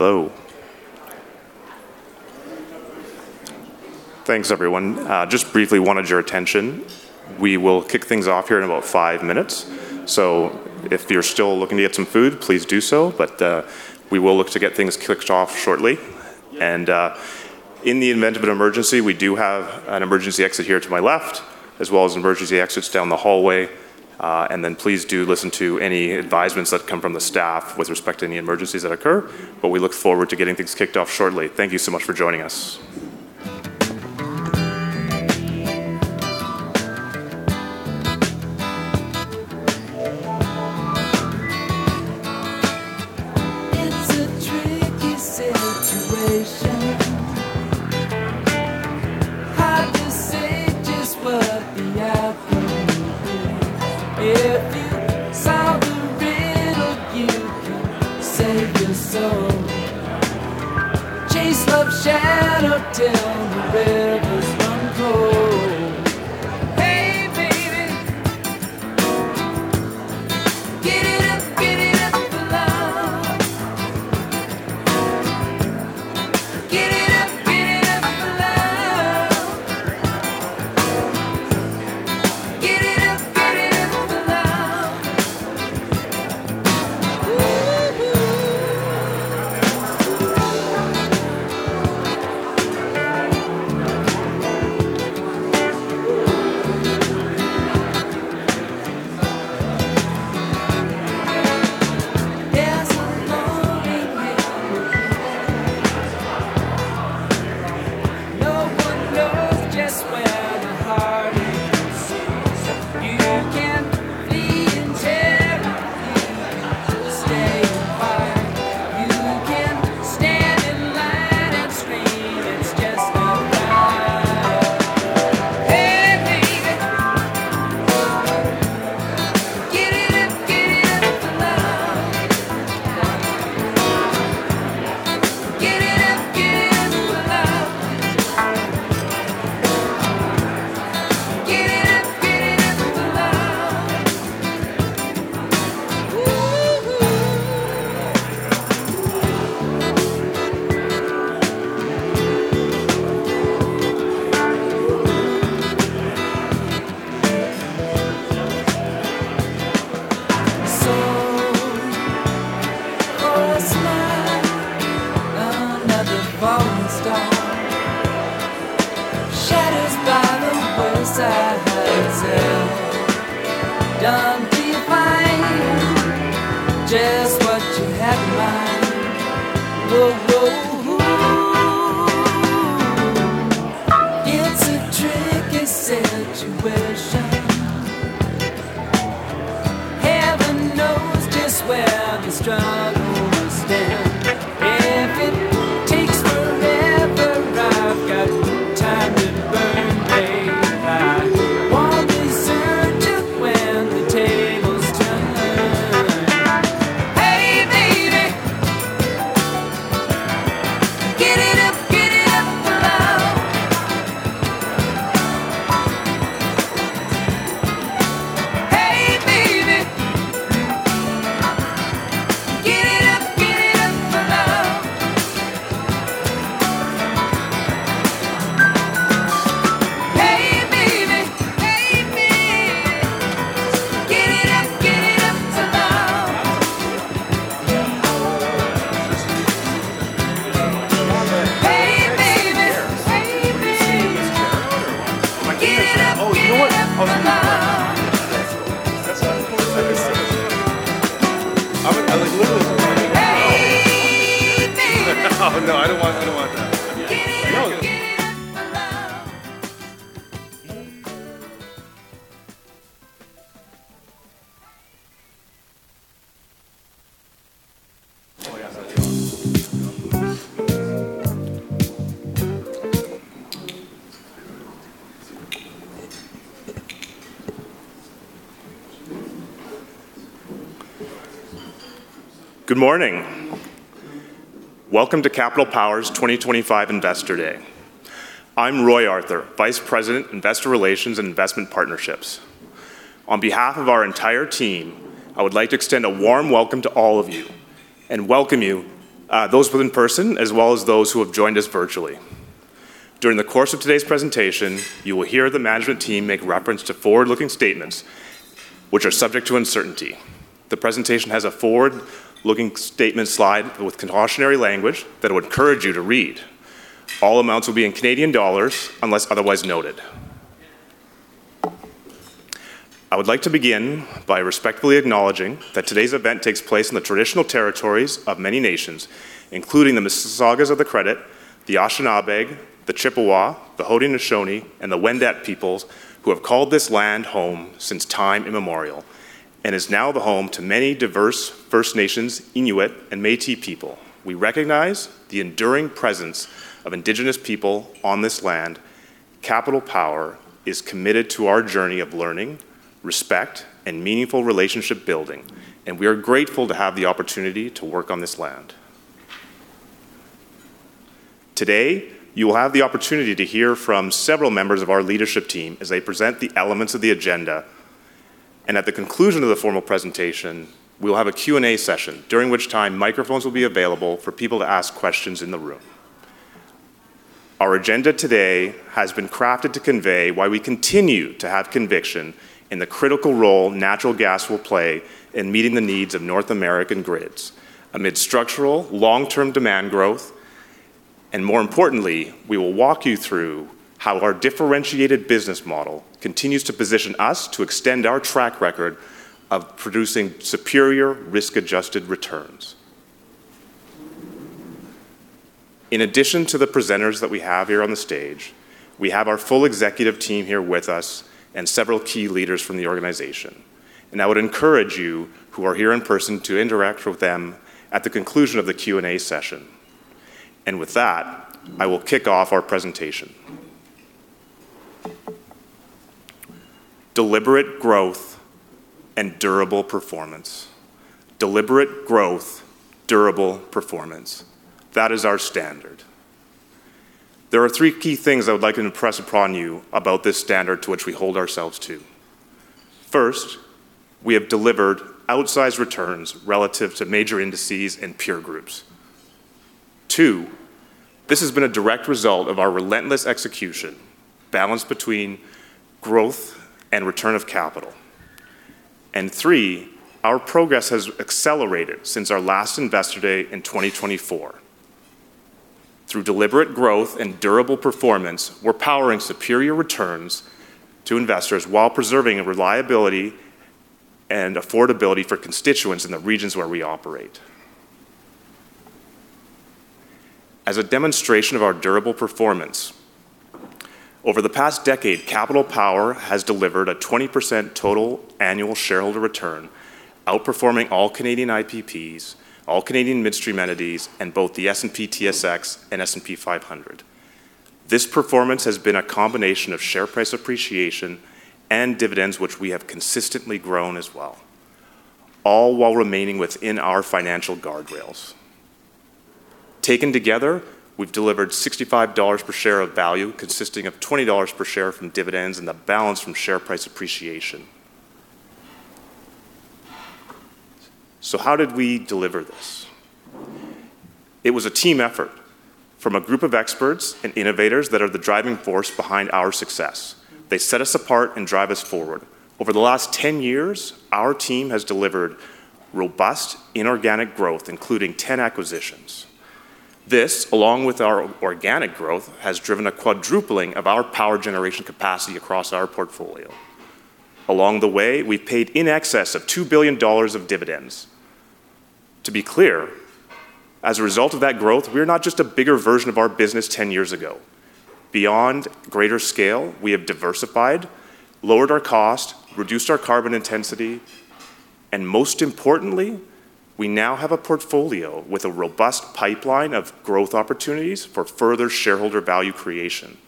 Hello. Thanks, everyone. Just briefly, I wanted your attention. We will kick things off here in about five minutes. So if you're still looking to get some food, please do so. But we will look to get things kicked off shortly. And in the event of an emergency, we do have an emergency exit here to my left, as well as emergency exits down the hallway. And then please do listen to any advisories that come from the staff with respect to any emergencies that occur. But we look forward to getting things kicked off shortly. Thank you so much for joining us. forward-looking statement slide with cautionary language that I would encourage you to read. All amounts will be in Canadian dollars unless otherwise noted. I would like to begin by respectfully acknowledging that today's event takes place in the traditional territories of many nations, including the Mississaugas of the Credit, the Anishinaabe, the Chippewa, the Haudenosaunee, and the Wendat peoples who have called this land home since time immemorial and is now the home to many diverse First Nations, Inuit, and Métis people. We recognize the enduring presence of Indigenous people on this land. Capital Power is committed to our journey of learning, respect, and meaningful relationship building, and we are grateful to have the opportunity to work on this land. Today, you will have the opportunity to hear from several members of our leadership team as they present the elements of the agenda. And at the conclusion of the formal presentation, we will have a Q&A session during which time microphones will be available for people to ask questions in the room. Our agenda today has been crafted to convey why we continue to have conviction in the critical role natural gas will play in meeting the needs of North American grids amid structural long-term demand growth. And more importantly, we will walk you through how our differentiated business model continues to position us to extend our track record of producing superior risk-adjusted returns. In addition to the presenters that we have here on the stage, we have our full executive team here with us and several key leaders from the organization. And I would encourage you who are here in person to interact with them at the conclusion of the Q&A session. And with that, I will kick off our presentation. Deliberate growth and durable performance. Deliberate growth, durable performance. That is our standard. There are three key things I would like to impress upon you about this standard to which we hold ourselves to. First, we have delivered outsized returns relative to major indices and peer groups. Two, this has been a direct result of our relentless execution, balanced between growth and return of capital. And three, our progress has accelerated since our last investor day in 2024. Through deliberate growth and durable performance, we're powering superior returns to investors while preserving reliability and affordability for constituents in the regions where we operate. As a demonstration of our durable performance, over the past decade, Capital Power has delivered a 20% total annual shareholder return, outperforming all Canadian IPPs, all Canadian midstream entities, and both the S&P/TSX and S&P 500. This performance has been a combination of share price appreciation and dividends, which we have consistently grown as well, all while remaining within our financial guardrails. Taken together, we've delivered 65 dollars per share of value consisting of 20 dollars per share from dividends and the balance from share price appreciation. So how did we deliver this? It was a team effort from a group of experts and innovators that are the driving force behind our success. They set us apart and drive us forward. Over the last 10 years, our team has delivered robust inorganic growth, including 10 acquisitions. This, along with our organic growth, has driven a quadrupling of our power generation capacity across our portfolio. Along the way, we've paid in excess of 2 billion dollars of dividends. To be clear, as a result of that growth, we are not just a bigger version of our business 10 years ago. Beyond greater scale, we have diversified, lowered our cost, reduced our carbon intensity, and most importantly, we now have a portfolio with a robust pipeline of growth opportunities for further shareholder value creation.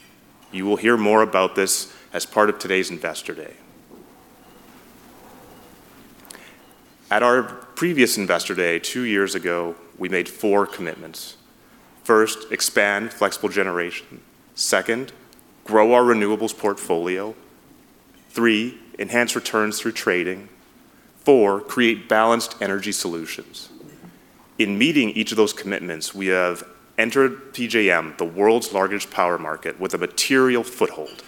You will hear more about this as part of today's Investor Day. At our previous Investor Day two years ago, we made four commitments. First, expand flexible generation. Second, grow our renewables portfolio. Three, enhance returns through trading. Four, create Balanced Energy Solutions. In meeting each of those commitments, we have entered PJM, the world's largest power market, with a material foothold,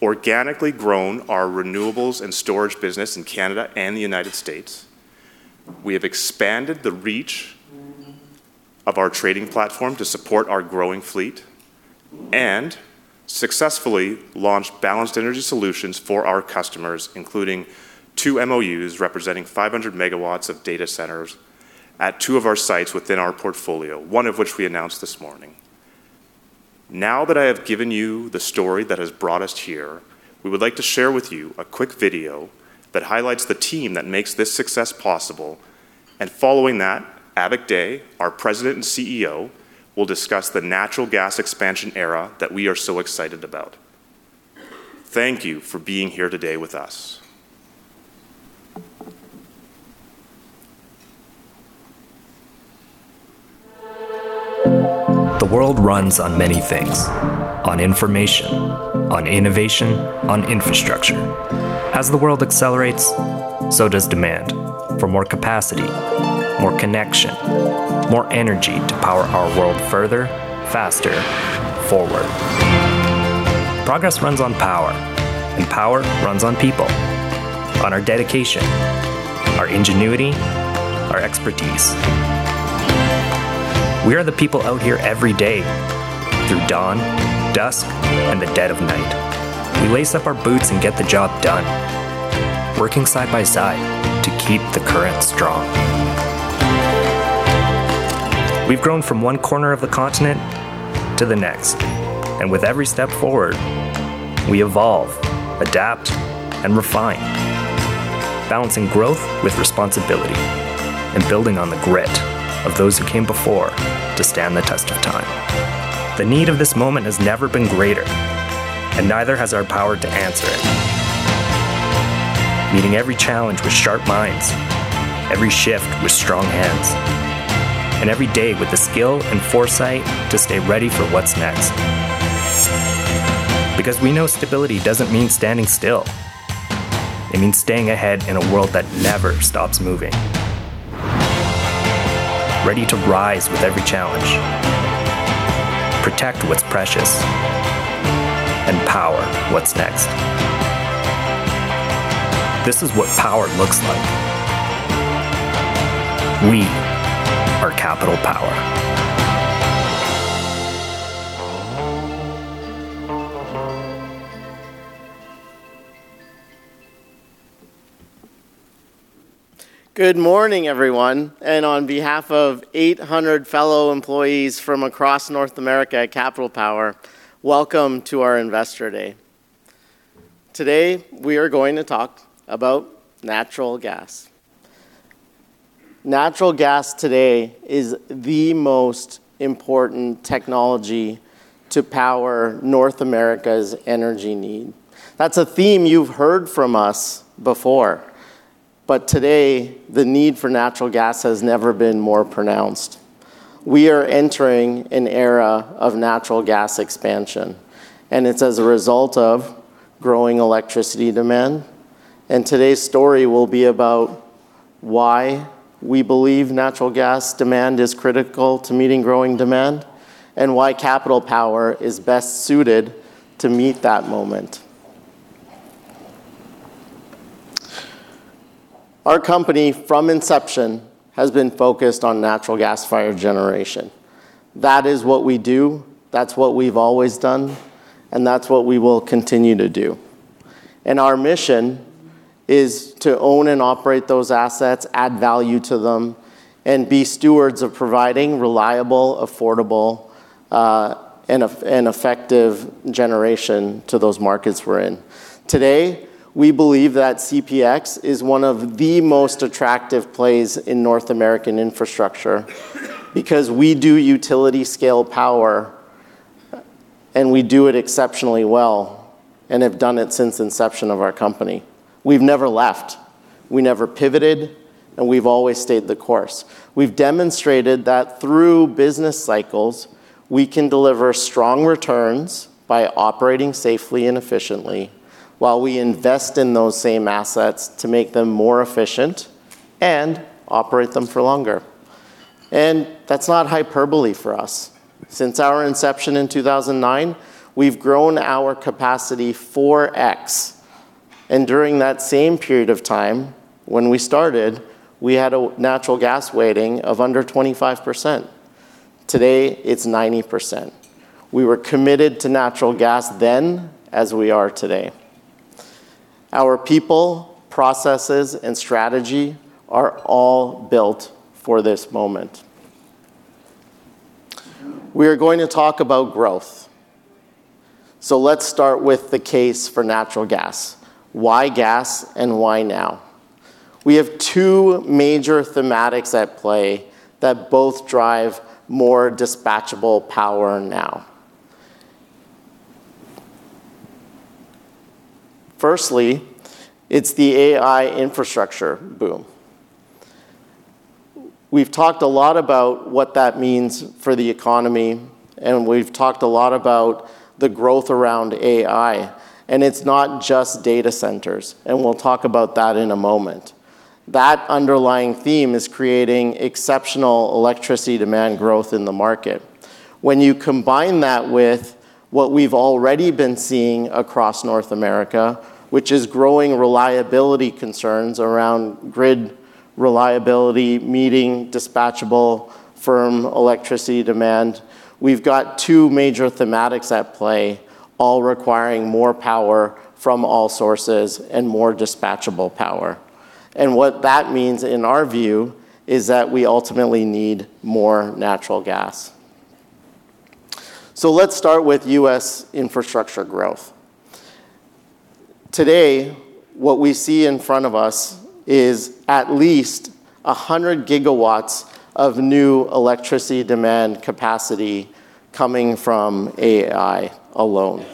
organically grown our renewables and storage business in Canada and the United States. We have expanded the reach of our trading platform to support our growing fleet and successfully launched Balanced Energy Solutions for our customers, including two MOUs representing 500 MW of data centers at two of our sites within our portfolio, one of which we announced this morning. Now that I have given you the story that has brought us here, we would like to share with you a quick video that highlights the team that makes this success possible, and following that, Avik Dey, our President and CEO, will discuss the natural gas expansion era that we are so excited about. Thank you for being here today with us. The world runs on many things: on information, on innovation, on infrastructure. As the world accelerates, so does demand for more capacity, more connection, more energy to power our world further, faster, forward. Progress runs on power, and power runs on people, on our dedication, our ingenuity, our expertise. We are the people out here every day through dawn, dusk, and the dead of night. We lace up our boots and get the job done, working side by side to keep the current strong. We've grown from one corner of the continent to the next. And with every step forward, we evolve, adapt, and refine, balancing growth with responsibility and building on the grit of those who came before to stand the test of time. The need of this moment has never been greater, and neither has our power to answer it. Meeting every challenge with sharp minds, every shift with strong hands, and every day with the skill and foresight to stay ready for what's next. Because we know stability doesn't mean standing still. It means staying ahead in a world that never stops moving, ready to rise with every challenge, protect what's precious, and power what's next. This is what power looks like. We are Capital Power. Good morning, everyone, and on behalf of 800 fellow employees from across North America at Capital Power, welcome to our Investor Day. Today, we are going to talk about natural gas. Natural gas today is the most important technology to power North America's energy need. That's a theme you've heard from us before. But today, the need for natural gas has never been more pronounced. We are entering an era of natural gas expansion, and it's as a result of growing electricity demand. And today's story will be about why we believe natural gas demand is critical to meeting growing demand and why Capital Power is best suited to meet that moment. Our company from inception has been focused on natural gas-fired generation. That is what we do. That's what we've always done, and that's what we will continue to do. And our mission is to own and operate those assets, add value to them, and be stewards of providing reliable, affordable, and effective generation to those markets we're in. Today, we believe that CPX is one of the most attractive plays in North American infrastructure because we do utility-scale power, and we do it exceptionally well and have done it since the inception of our company. We've never left. We never pivoted, and we've always stayed the course. We've demonstrated that through business cycles, we can deliver strong returns by operating safely and efficiently while we invest in those same assets to make them more efficient and operate them for longer. And that's not hyperbole for us. Since our inception in 2009, we've grown our capacity 4X. And during that same period of time when we started, we had a natural gas weighting of under 25%. Today, it's 90%. We were committed to natural gas then as we are today. Our people, processes, and strategy are all built for this moment. We are going to talk about growth, so let's start with the case for natural gas. Why gas and why now? We have two major thematics at play that both drive more dispatchable power now. Firstly, it's the AI infrastructure boom. We've talked a lot about what that means for the economy, and we've talked a lot about the growth around AI, and it's not just data centers, and we'll talk about that in a moment. That underlying theme is creating exceptional electricity demand growth in the market. When you combine that with what we've already been seeing across North America, which is growing reliability concerns around grid reliability meeting dispatchable firm electricity demand, we've got two major thematics at play, all requiring more power from all sources and more dispatchable power. And what that means in our view is that we ultimately need more natural gas. So let's start with U.S. infrastructure growth. Today, what we see in front of us is at least 100 GW of new electricity demand capacity coming from AI alone.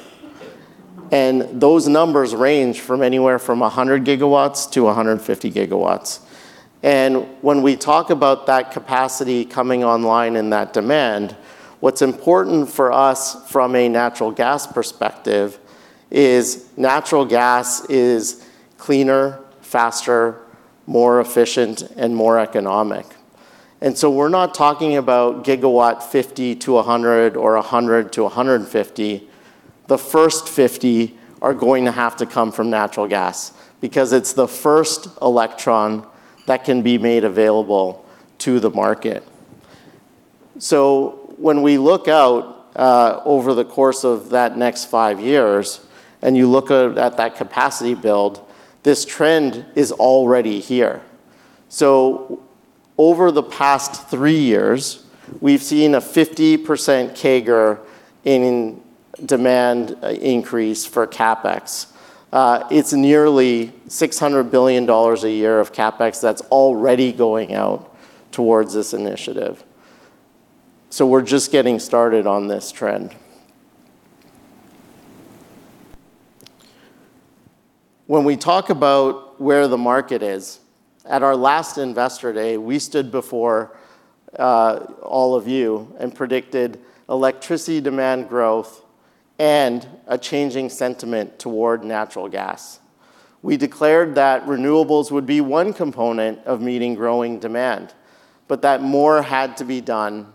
And those numbers range from anywhere from 100-150 GW. And when we talk about that capacity coming online and that demand, what's important for us from a natural gas perspective is natural gas is cleaner, faster, more efficient, and more economic. And so we're not talking GW 50-100 or 100-150. The first 50 are going to have to come from natural gas because it's the first electron that can be made available to the market. So when we look out over the course of that next five years and you look at that capacity build, this trend is already here. So over the past three years, we've seen a 50% CAGR in demand increase for CapEx. It's nearly 600 billion dollars a year of CapEx that's already going out toward this initiative. So we're just getting started on this trend. When we talk about where the market is, at our last Investor Day, we stood before all of you and predicted electricity demand growth and a changing sentiment toward natural gas. We declared that renewables would be one component of meeting growing demand, but that more had to be done,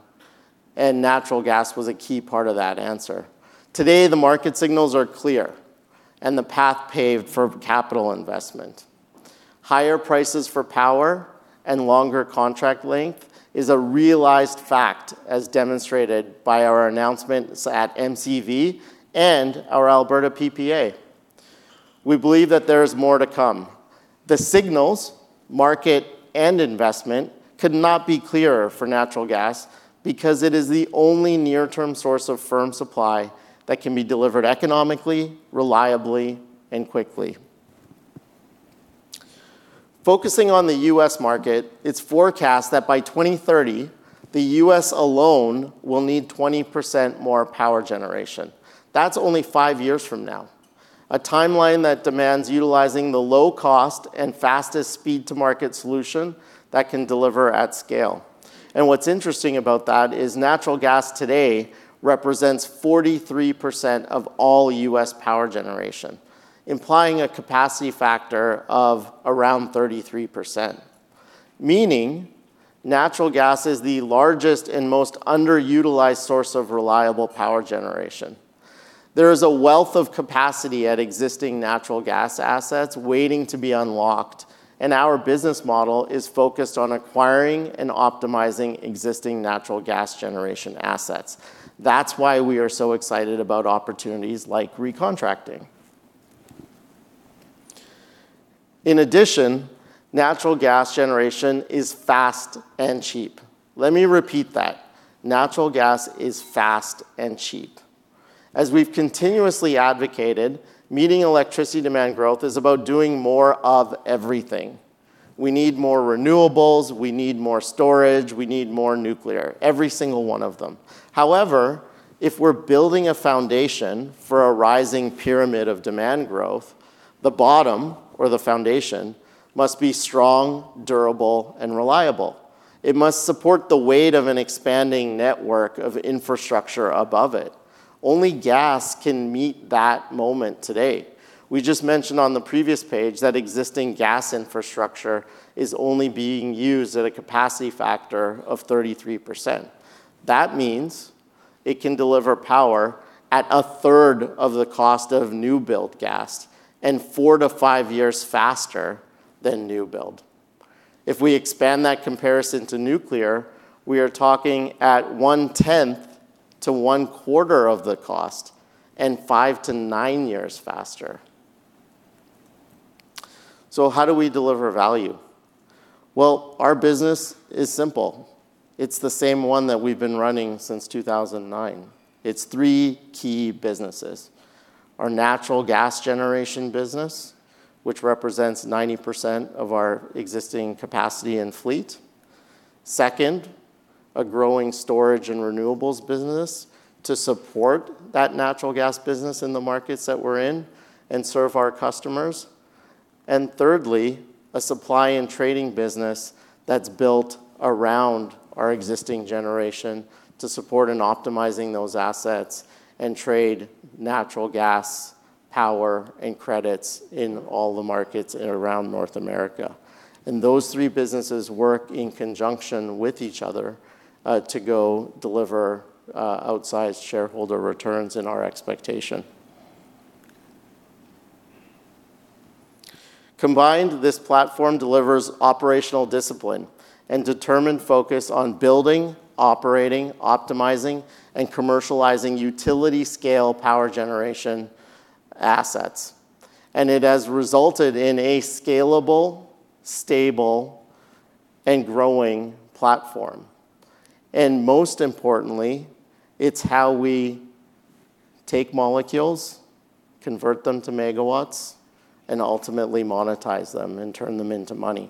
and natural gas was a key part of that answer. Today, the market signals are clear, and the path paved for capital investment. Higher prices for power and longer contract length is a realized fact, as demonstrated by our announcements at MCV and our Alberta PPA. We believe that there is more to come. The signals, market, and investment could not be clearer for natural gas because it is the only near-term source of firm supply that can be delivered economically, reliably, and quickly. Focusing on the U.S. market, it's forecast that by 2030, the U.S. alone will need 20% more power generation. That's only five years from now, a timeline that demands utilizing the low-cost and fastest speed-to-market solution that can deliver at scale. And what's interesting about that is natural gas today represents 43% of all U.S. Power generation, implying a capacity factor of around 33%, meaning natural gas is the largest and most underutilized source of reliable power generation. There is a wealth of capacity at existing natural gas assets waiting to be unlocked, and our business model is focused on acquiring and optimizing existing natural gas generation assets. That's why we are so excited about opportunities like recontracting. In addition, natural gas generation is fast and cheap. Let me repeat that. Natural gas is fast and cheap. As we've continuously advocated, meeting electricity demand growth is about doing more of everything. We need more renewables. We need more storage. We need more nuclear, every single one of them. However, if we're building a foundation for a rising pyramid of demand growth, the bottom or the foundation must be strong, durable, and reliable. It must support the weight of an expanding network of infrastructure above it. Only gas can meet that moment today. We just mentioned on the previous page that existing gas infrastructure is only being used at a capacity factor of 33%. That means it can deliver power at a third of the cost of new build gas and four to five years faster than new build. If we expand that comparison to nuclear, we are talking at 1/10-1/4 of the cost and 5-10 years faster. So how do we deliver value? Well, our business is simple. It's the same one that we've been running since 2009. It's three key businesses: our natural gas generation business, which represents 90% of our existing capacity and fleet, second, a growing storage and renewables business to support that natural gas business in the markets that we're in and serve our customers, and thirdly, a Supply and Trading business that's built around our existing generation to support and optimize those assets and trade natural gas, power, and credits in all the markets around North America, and those three businesses work in conjunction with each other to go deliver outsized shareholder returns in our expectation. Combined, this platform delivers operational discipline and determined focus on building, operating, optimizing, and commercializing utility-scale power generation assets, and it has resulted in a scalable, stable, and growing platform, and most importantly, it's how we take molecules, convert them to megawatts, and ultimately monetize them and turn them into money.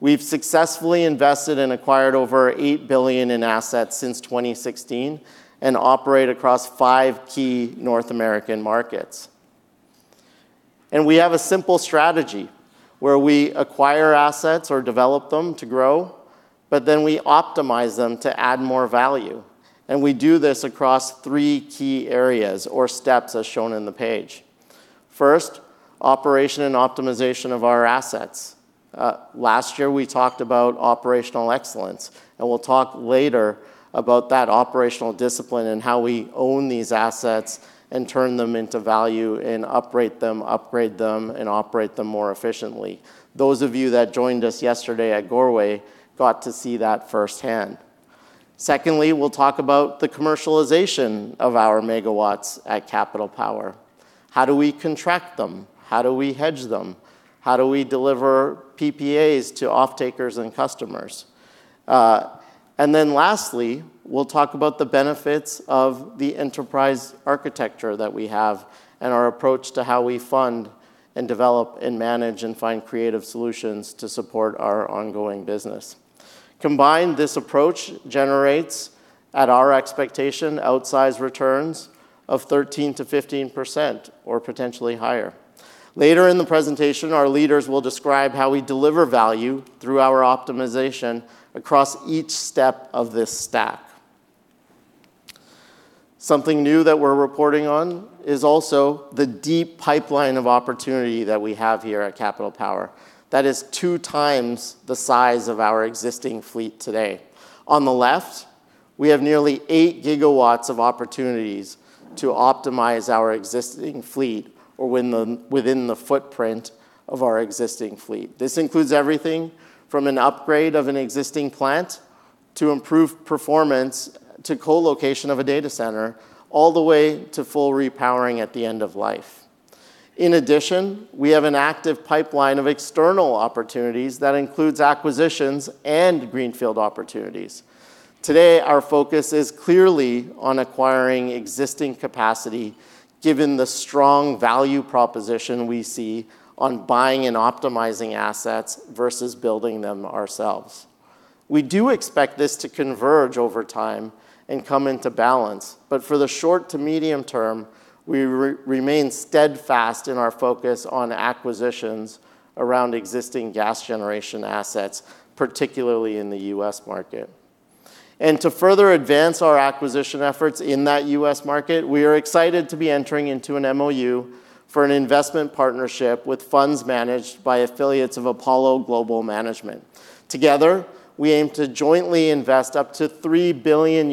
We've successfully invested and acquired over 8 billion in assets since 2016 and operate across five key North American markets. And we have a simple strategy where we acquire assets or develop them to grow, but then we optimize them to add more value. And we do this across three key areas or steps as shown in the page. First, operation and optimization of our assets. Last year, we talked about operational excellence, and we'll talk later about that operational discipline and how we own these assets and turn them into value and upgrade them, upgrade them, and operate them more efficiently. Those of you that joined us yesterday at Goreway got to see that firsthand. Secondly, we'll talk about the commercialization of our megawatts at Capital Power. How do we contract them? How do we hedge them? How do we deliver PPAs to off-takers and customers? And then lastly, we'll talk about the benefits of the enterprise architecture that we have and our approach to how we fund and develop and manage and find creative solutions to support our ongoing business. Combined, this approach generates, at our expectation, outsized returns of 13%-15% or potentially higher. Later in the presentation, our leaders will describe how we deliver value through our optimization across each step of this stack. Something new that we're reporting on is also the deep pipeline of opportunity that we have here at Capital Power. That is two times the size of our existing fleet today. On the left, we have nearly 8 GW of opportunities to optimize our existing fleet or within the footprint of our existing fleet. This includes everything from an upgrade of an existing plant to improved performance to co-location of a data center, all the way to full repowering at the end of life. In addition, we have an active pipeline of external opportunities that includes acquisitions and greenfield opportunities. Today, our focus is clearly on acquiring existing capacity given the strong value proposition we see on buying and optimizing assets versus building them ourselves. We do expect this to converge over time and come into balance, but for the short to medium term, we remain steadfast in our focus on acquisitions around existing gas generation assets, particularly in the U.S. market. And to further advance our acquisition efforts in that U.S. market, we are excited to be entering into an MOU for an investment partnership with funds managed by affiliates of Apollo Global Management. Together, we aim to jointly invest up to $3 billion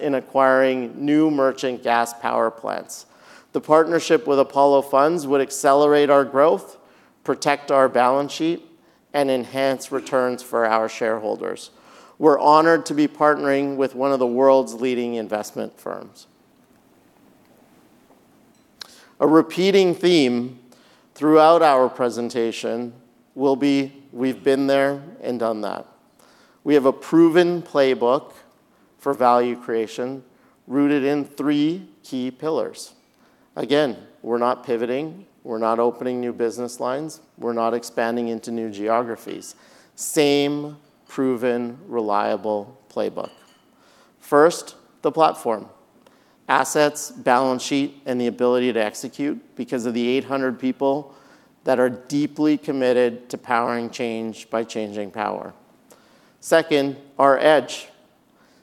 in acquiring new merchant gas power plants. The partnership with Apollo Funds would accelerate our growth, protect our balance sheet, and enhance returns for our shareholders. We're honored to be partnering with one of the world's leading investment firms. A repeating theme throughout our presentation will be, "We've been there and done that." We have a proven playbook for value creation rooted in three key pillars. Again, we're not pivoting. We're not opening new business lines. We're not expanding into new geographies. Same proven, reliable playbook. First, the platform, assets, balance sheet, and the ability to execute because of the 800 people that are deeply committed to powering change by changing power. Second, our edge.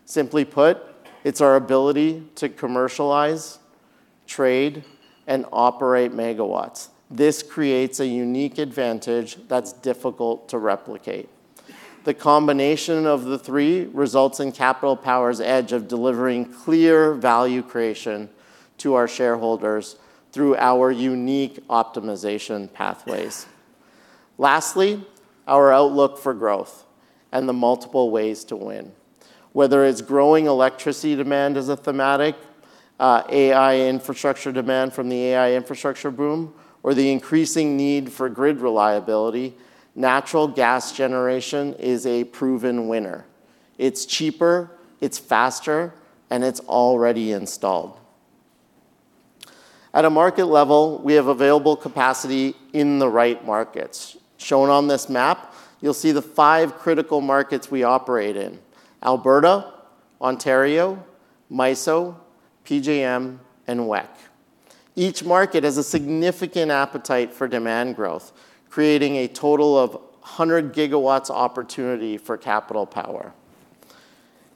Simply put, it's our ability to commercialize, trade, and operate megawatts. This creates a unique advantage that's difficult to replicate. The combination of the three results in Capital Power's edge of delivering clear value creation to our shareholders through our unique optimization pathways. Lastly, our outlook for growth and the multiple ways to win. Whether it's growing electricity demand as a thematic, AI infrastructure demand from the AI infrastructure boom, or the increasing need for grid reliability, natural gas generation is a proven winner. It's cheaper, it's faster, and it's already installed. At a market level, we have available capacity in the right markets. Shown on this map, you'll see the five critical markets we operate in: Alberta, Ontario, MISO, PJM, and WECC. Each market has a significant appetite for demand growth, creating a total of 100 GW opportunity for Capital Power.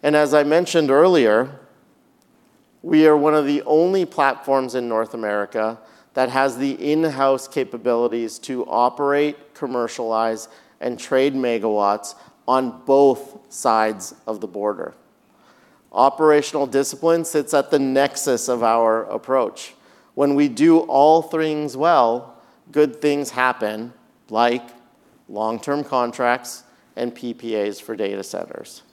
And as I mentioned earlier, we are one of the only platforms in North America that has the in-house capabilities to operate, commercialize, and trade megawatts on both sides of the border. Operational discipline sits at the nexus of our approach. When we do all things well, good things happen, like long-term contracts and PPAs for data centers.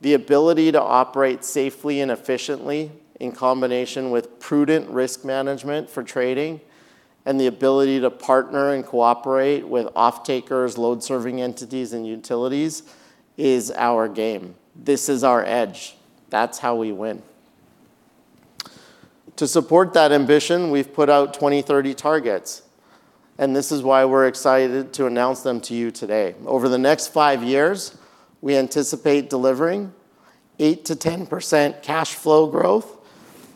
The ability to operate safely and efficiently in combination with prudent risk management for trading and the ability to partner and cooperate with off-takers, load-serving entities, and utilities is our game. This is our edge. That's how we win. To support that ambition, we've put out 2030 targets, and this is why we're excited to announce them to you today. Over the next five years, we anticipate delivering 8%-10% cash flow growth,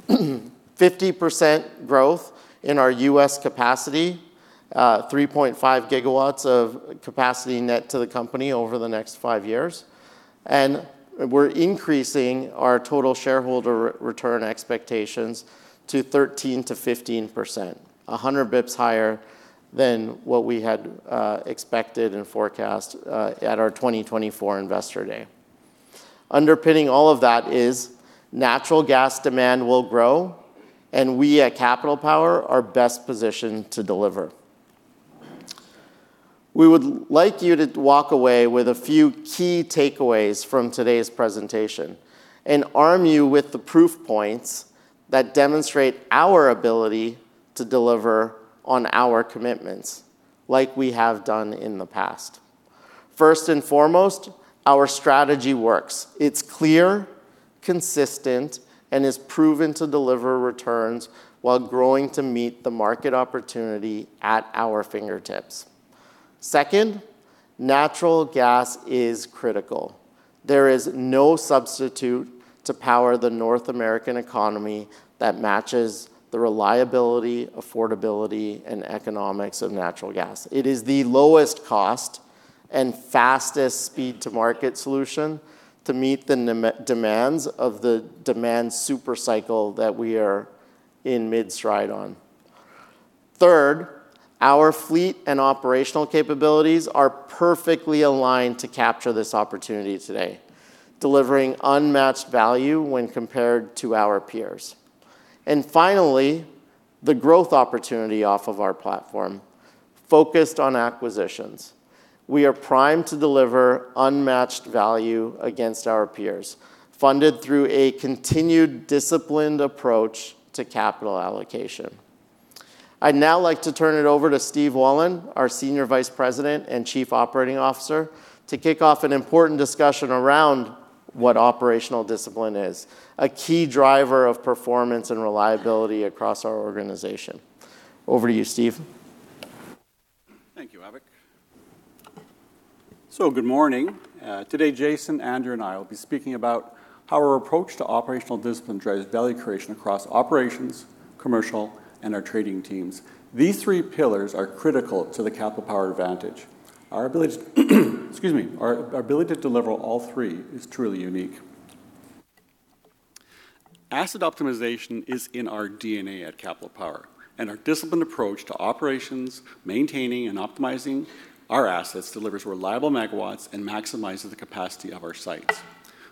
50% growth in our U.S. capacity, 3.5 GW of capacity net to the company over the next five years, and we're increasing our total shareholder return expectations to 13%-15%, 100 basis points higher than what we had expected and forecast at our 2024 Investor Day. Underpinning all of that is natural gas demand will grow, and we at Capital Power are best positioned to deliver. We would like you to walk away with a few key takeaways from today's presentation and arm you with the proof points that demonstrate our ability to deliver on our commitments like we have done in the past. First and foremost, our strategy works. It's clear, consistent, and is proven to deliver returns while growing to meet the market opportunity at our fingertips. Second, natural gas is critical. There is no substitute to power the North American economy that matches the reliability, affordability, and economics of natural gas. It is the lowest cost and fastest speed-to-market solution to meet the demands of the demand supercycle that we are in mid-stride on. Third, our fleet and operational capabilities are perfectly aligned to capture this opportunity today, delivering unmatched value when compared to our peers. And finally, the growth opportunity off of our platform focused on acquisitions. We are primed to deliver unmatched value against our peers, funded through a continued disciplined approach to capital allocation. I'd now like to turn it over to Steve Wollin, our Senior Vice President and Chief Operating Officer, to kick off an important discussion around what operational discipline is, a key driver of performance and reliability across our organization. Over to you, Steve. Thank you, Avik. So good morning. Today, Jason, Andrew, and I will be speaking about how our approach to operational discipline drives value creation across operations, commercial, and our trading teams. These three pillars are critical to the Capital Power Advantage. Our ability to, excuse me, our ability to deliver all three is truly unique. Asset optimization is in our DNA at Capital Power, and our disciplined approach to operations, maintaining, and optimizing our assets delivers reliable megawatts and maximizes the capacity of our sites.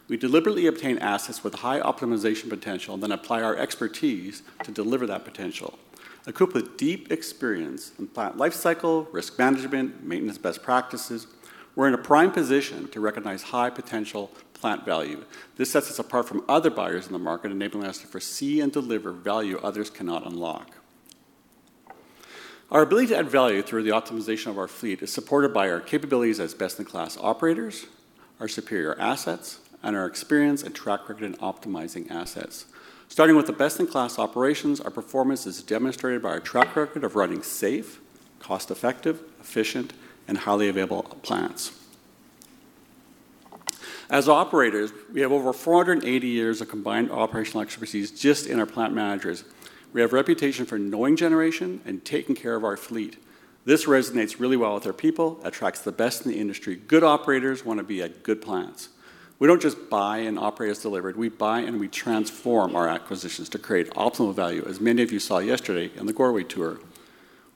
We deliberately obtain assets with high optimization potential and then apply our expertise to deliver that potential. Equipped with deep experience in plant lifecycle, risk management, and maintenance best practices, we're in a prime position to recognize high potential plant value. This sets us apart from other buyers in the market, enabling us to foresee and deliver value others cannot unlock. Our ability to add value through the optimization of our fleet is supported by our capabilities as best-in-class operators, our superior assets, and our experience and track record in optimizing assets. Starting with the best-in-class operations, our performance is demonstrated by our track record of running safe, cost-effective, efficient, and highly available plants. As operators, we have over 480 years of combined operational expertise just in our plant managers. We have a reputation for knowing generation and taking care of our fleet. This resonates really well with our people, attracts the best in the industry. Good operators want to be at good plants. We don't just buy and operate as delivered. We buy and we transform our acquisitions to create optimal value, as many of you saw yesterday in the Goreway tour.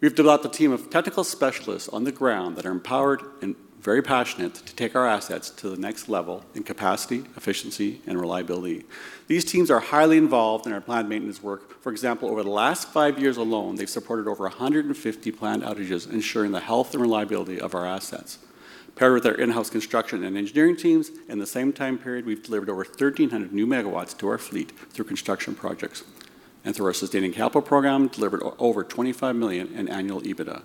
We've developed a team of technical specialists on the ground that are empowered and very passionate to take our assets to the next level in capacity, efficiency, and reliability. These teams are highly involved in our plant maintenance work. For example, over the last five years alone, they've supported over 150 plant outages, ensuring the health and reliability of our assets. Paired with our in-house construction and engineering teams, in the same time period, we've delivered over 1,300 new MW to our fleet through construction projects, and through our sustaining capital program, delivered over 25 million in annual EBITDA.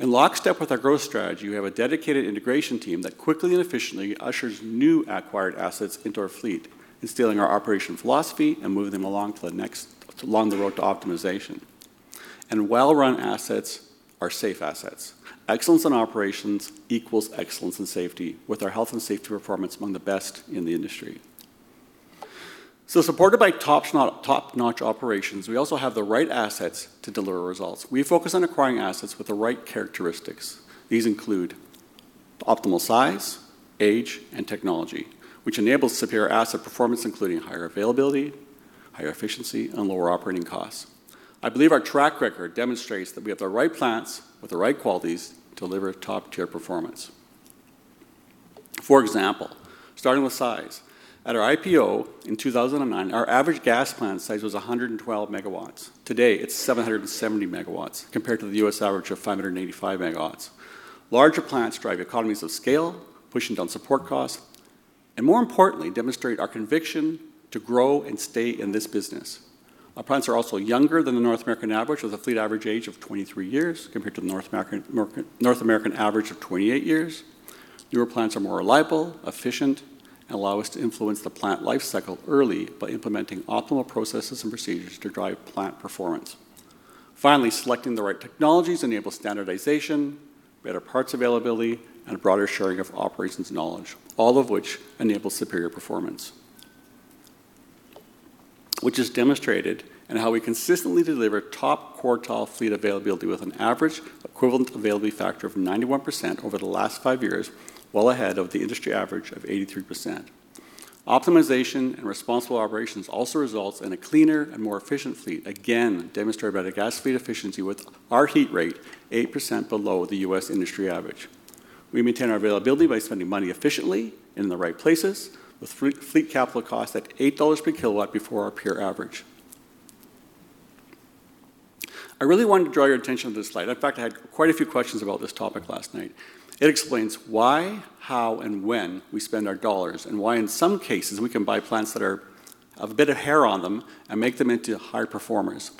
In lockstep with our growth strategy, we have a dedicated integration team that quickly and efficiently ushers new acquired assets into our fleet, instilling our operational philosophy and moving them along to the next along the road to optimization, and well-run assets are safe assets. Excellence in operations equals excellence in safety, with our health and safety performance among the best in the industry, so supported by top-notch operations, we also have the right assets to deliver results. We focus on acquiring assets with the right characteristics. These include optimal size, age, and technology, which enables superior asset performance, including higher availability, higher efficiency, and lower operating costs. I believe our track record demonstrates that we have the right plants with the right qualities to deliver top-tier performance. For example, starting with size. At our IPO in 2009, our average gas plant size was 112 MW. Today, it's 770 MW compared to the U.S. average of 585 MW. Larger plants drive economies of scale, pushing down support costs, and more importantly, demonstrate our conviction to grow and stay in this business. Our plants are also younger than the North American average, with a fleet average age of 23 years compared to the North American average of 28 years. Newer plants are more reliable, efficient, and allow us to influence the plant lifecycle early by implementing optimal processes and procedures to drive plant performance. Finally, selecting the right technologies enables standardization, better parts availability, and a broader sharing of operations knowledge, all of which enables superior performance, which is demonstrated in how we consistently deliver top quartile fleet availability with an average equivalent availability factor of 91% over the last five years, well ahead of the industry average of 83%. Optimization and responsible operations also result in a cleaner and more efficient fleet, again demonstrated by the gas fleet efficiency with our heat rate 8% below the U.S. industry average. We maintain our availability by spending money efficiently and in the right places, with fleet capital costs at $8 per kilowatt below our peer average. I really wanted to draw your attention to this slide. In fact, I had quite a few questions about this topic last night. It explains why, how, and when we spend our dollars, and why in some cases we can buy plants that have a bit of hair on them and make them into high performers.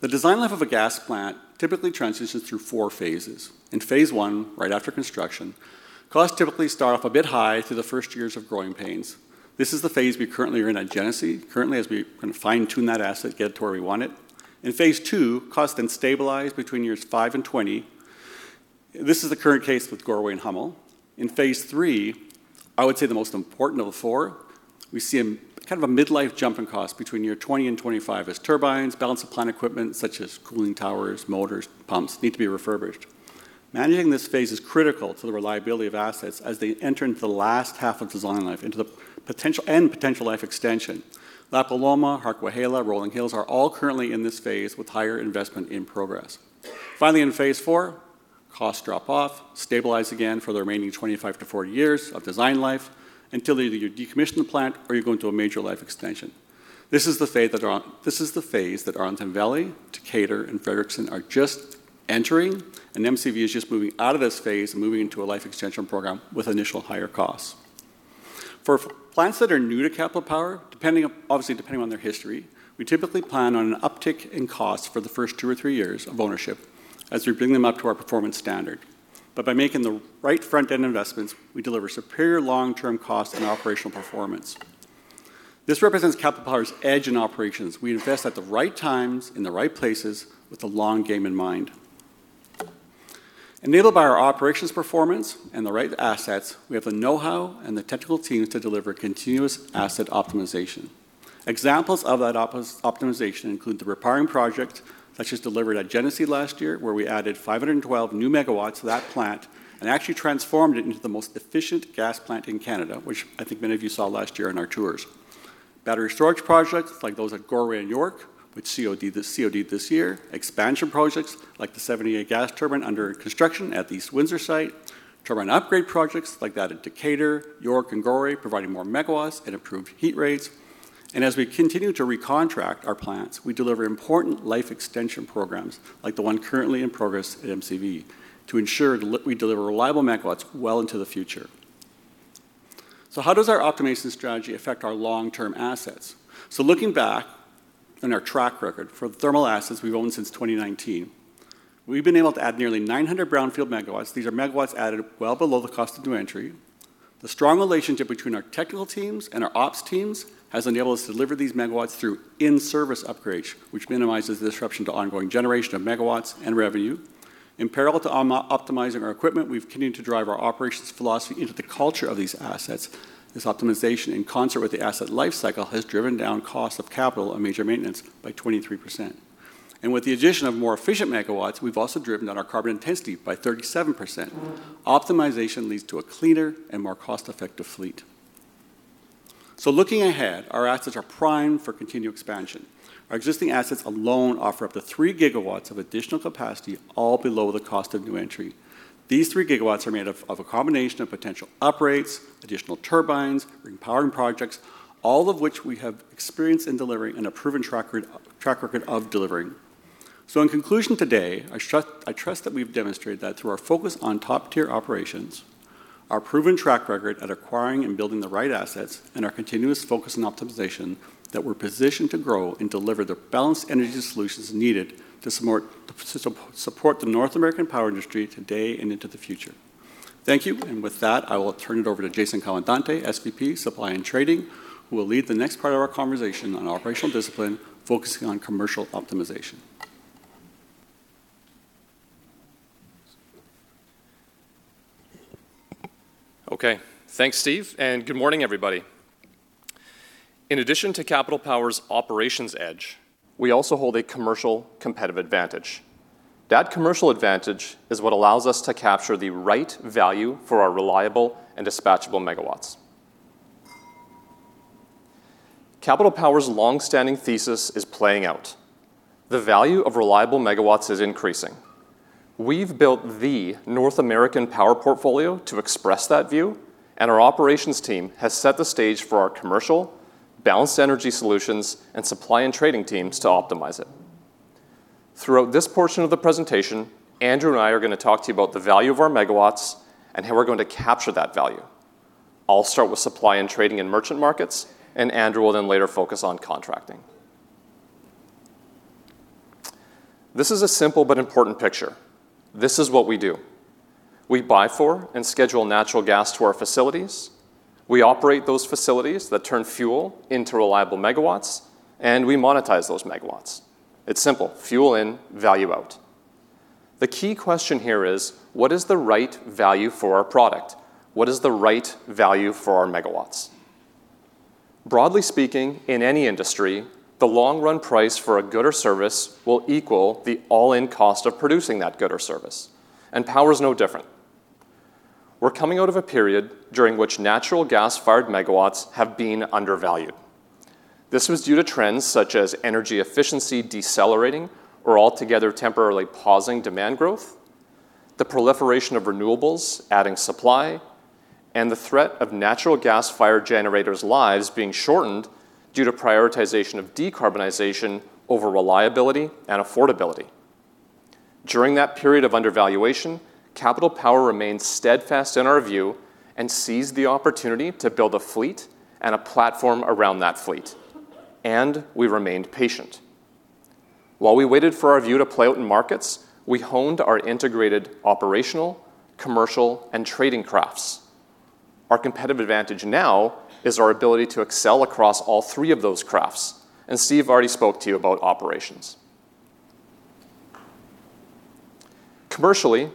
The design life of a gas plant typically transitions through four phases. In phase one, right after construction, costs typically start off a bit high through the first years of growing pains. This is the phase we currently are in at Genesee, currently as we're going to fine-tune that asset, get it to where we want it. In phase two, costs then stabilize between years five and 20. This is the current case with Goreway and Hummel. In phase three, I would say the most important of the four, we see kind of a mid-life jump in cost between year 20 and 25 as turbines, balance of plant equipment such as cooling towers, motors, pumps need to be refurbished. Managing this phase is critical to the reliability of assets as they enter into the last half of design life and potential life extension. La Paloma, Harquahala, Rolling Hills are all currently in this phase with higher investment in progress. Finally, in phase four, costs drop off, stabilize again for the remaining 25-40 years of design life until either you decommission the plant or you go into a major life extension. This is the phase that Arlington Valley, Decatur, and Frederickson are just entering, and MCV is just moving out of this phase and moving into a life extension program with initial higher costs. For plants that are new to Capital Power, obviously depending on their history, we typically plan on an uptick in cost for the first two or three years of ownership as we bring them up to our performance standard. But by making the right front-end investments, we deliver superior long-term costs and operational performance. This represents Capital Power's edge in operations. We invest at the right times in the right places with the long game in mind. Enabled by our operations performance and the right assets, we have the know-how and the technical teams to deliver continuous asset optimization. Examples of that optimization include the repowering project that just delivered at Genesee last year, where we added 512 new MW to that plant and actually transformed it into the most efficient gas plant in Canada, which I think many of you saw last year in our tours. Battery storage projects like those at Goreway and York with COD this year, expansion projects like the 78 gas turbine under construction at the East Windsor site, turbine upgrade projects like that at Decatur, York, and Goreway, providing more megawatts and improved heat rates. And as we continue to recontract our plants, we deliver important life extension programs like the one currently in progress at MCV to ensure we deliver reliable megawatts well into the future. So how does our optimization strategy affect our long-term assets? So looking back on our track record for the thermal assets we've owned since 2019, we've been able to add nearly 900 brownfield MW. These are megawatts added well below the cost of new entry. The strong relationship between our technical teams and our ops teams has enabled us to deliver these megawatts through in-service upgrades, which minimizes the disruption to ongoing generation of megawatts and revenue. In parallel to optimizing our equipment, we've continued to drive our operations philosophy into the culture of these assets. This optimization, in concert with the asset lifecycle, has driven down costs of capital and major maintenance by 23%, and with the addition of more efficient megawatts, we've also driven down our carbon intensity by 37%. Optimization leads to a cleaner and more cost-effective fleet, so looking ahead, our assets are primed for continued expansion. Our existing assets alone offer up to 3 GW of additional capacity, all below the cost of new entry. These 3 GW are made up of a combination of potential upgrades, additional turbines, repowering projects, all of which we have experience in delivering and a proven track record of delivering. So in conclusion today, I trust that we've demonstrated that through our focus on top-tier operations, our proven track record at acquiring and building the right assets, and our continuous focus on optimization, that we're positioned to grow and deliver the Balanced Energy Solutions needed to support the North American power industry today and into the future. Thank you. And with that, I will turn it over to Jason Comandante, SVP, Supply and Trading, who will lead the next part of our conversation on operational discipline, focusing on Commercial optimization. Okay. Thanks, Steve. And good morning, everybody. In addition to Capital Power's operations edge, we also hold a commercial competitive advantage. That commercial advantage is what allows us to capture the right value for our reliable and dispatchable megawatts. Capital Power's long-standing thesis is playing out. The value of reliable megawatts is increasing. We've built the North American power portfolio to express that view, and our operations team has set the stage for our Commercial, Balanced Energy Solutions, and Supply and Trading teams to optimize it. Throughout this portion of the presentation, Andrew and I are going to talk to you about the value of our megawatts and how we're going to capture that value. I'll start with Supply and Trading and merchant markets, and Andrew will then later focus on contracting. This is a simple but important picture. This is what we do. We buy for and schedule natural gas to our facilities. We operate those facilities that turn fuel into reliable megawatts, and we monetize those megawatts. It's simple. Fuel in, value out. The key question here is, what is the right value for our product? What is the right value for our megawatts? Broadly speaking, in any industry, the long-run price for a good or service will equal the all-in cost of producing that good or service. And power is no different. We're coming out of a period during which natural gas-fired megawatts have been undervalued. This was due to trends such as energy efficiency decelerating or altogether temporarily pausing demand growth, the proliferation of renewables adding supply, and the threat of natural gas-fired generators' lives being shortened due to prioritization of decarbonization over reliability and affordability. During that period of undervaluation, Capital Power remained steadfast in our view and seized the opportunity to build a fleet and a platform around that fleet. And we remained patient. While we waited for our view to play out in markets, we honed our integrated operational, commercial, and trading crafts. Our competitive advantage now is our ability to excel across all three of those crafts. And Steve already spoke to you about operations. Commercially,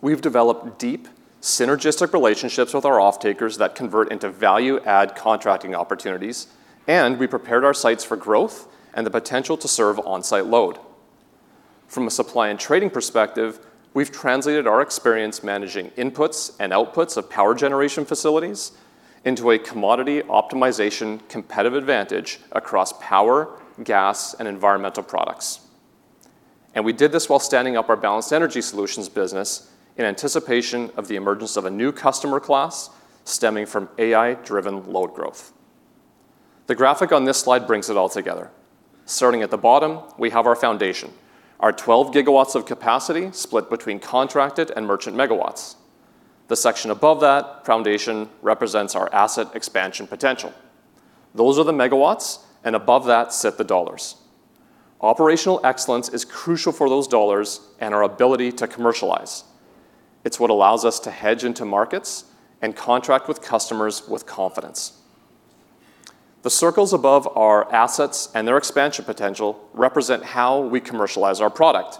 we've developed deep synergistic relationships with our off-takers that convert into value-add contracting opportunities, and we prepared our sites for growth and the potential to serve on-site load. From a Supply and Trading perspective, we've translated our experience managing inputs and outputs of power generation facilities into a commodity optimization competitive advantage across power, gas, and environmental products. And we did this while standing up our Balanced Energy Solutions business in anticipation of the emergence of a new customer class stemming from AI-driven load growth. The graphic on this slide brings it all together. Starting at the bottom, we have our foundation, our 12 GW of capacity split between contracted and merchant megawatts. The section above that foundation represents our asset expansion potential. Those are the megawatts, and above that sit the dollars. Operational excellence is crucial for those dollars and our ability to commercialize. It's what allows us to hedge into markets and contract with customers with confidence. The circles above our assets and their expansion potential represent how we commercialize our product.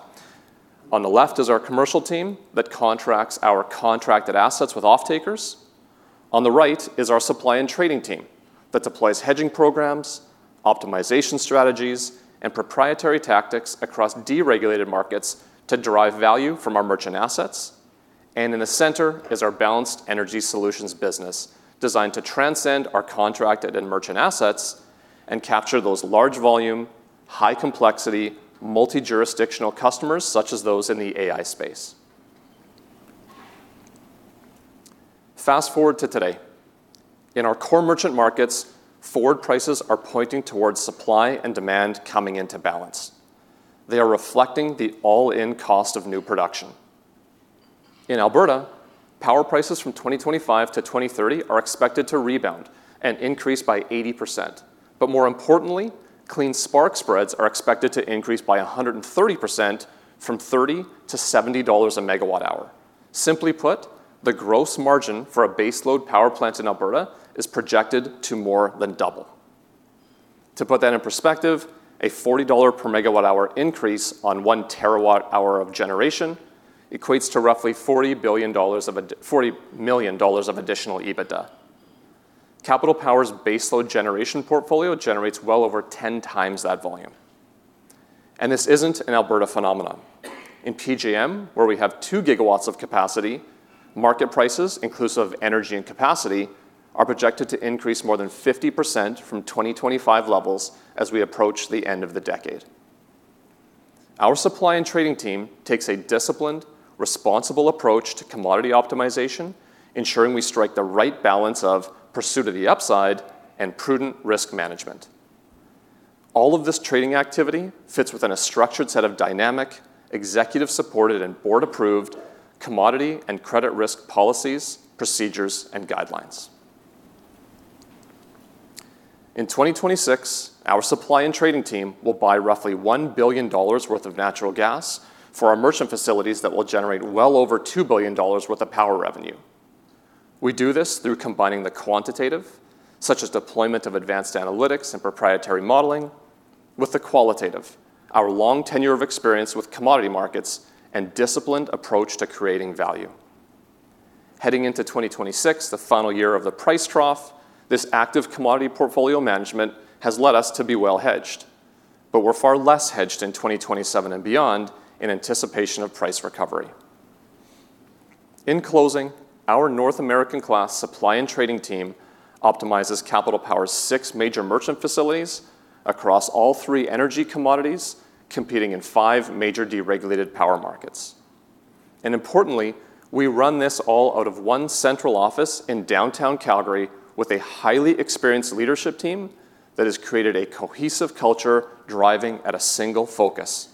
On the left is our Commercial team that contracts our contracted assets with off-takers. On the right is our Supply and Trading team that deploys hedging programs, optimization strategies, and proprietary tactics across deregulated markets to derive value from our merchant assets. And in the center is our Balanced Energy Solutions business designed to transcend our contracted and merchant assets and capture those large volume, high complexity, multi-jurisdictional customers such as those in the AI space. Fast forward to today. In our core merchant markets, forward prices are pointing towards supply and demand coming into balance. They are reflecting the all-in cost of new production. In Alberta, power prices from 2025-2030 are expected to rebound and increase by 80%. But more importantly, clean spark spreads are expected to increase by 130% from 30-70 dollars a MWh. Simply put, the gross margin for a baseload power plant in Alberta is projected to more than double. To put that in perspective, a 40 dollar per MWh increase on 1 TWh of generation equates to roughly 40 million dollars of additional EBITDA. Capital Power's baseload generation portfolio generates well over 10x that volume. And this isn't an Alberta phenomenon. In PJM, where we have 2 GW of capacity, market prices, inclusive of energy and capacity, are projected to increase more than 50% from 2025 levels as we approach the end of the decade. Our Supply and Trading team takes a disciplined, responsible approach to commodity optimization, ensuring we strike the right balance of pursuit of the upside and prudent risk management. All of this trading activity fits within a structured set of dynamic, executive-supported and Board-approved commodity and credit risk policies, procedures, and guidelines. In 2026, our Supply and Trading team will buy roughly 1 billion dollars worth of natural gas for our merchant facilities that will generate well over 2 billion dollars worth of power revenue. We do this through combining the quantitative, such as deployment of advanced analytics and proprietary modeling, with the qualitative, our long tenure of experience with commodity markets and disciplined approach to creating value. Heading into 2026, the final year of the price trough, this active commodity portfolio management has led us to be well hedged, but we're far less hedged in 2027 and beyond in anticipation of price recovery. In closing, our North American-class Supply and Trading team optimizes Capital Power's six major merchant facilities across all three energy commodities, competing in five major deregulated power markets, and importantly, we run this all out of one central office in downtown Calgary with a highly experienced leadership team that has created a cohesive culture driving at a single focus,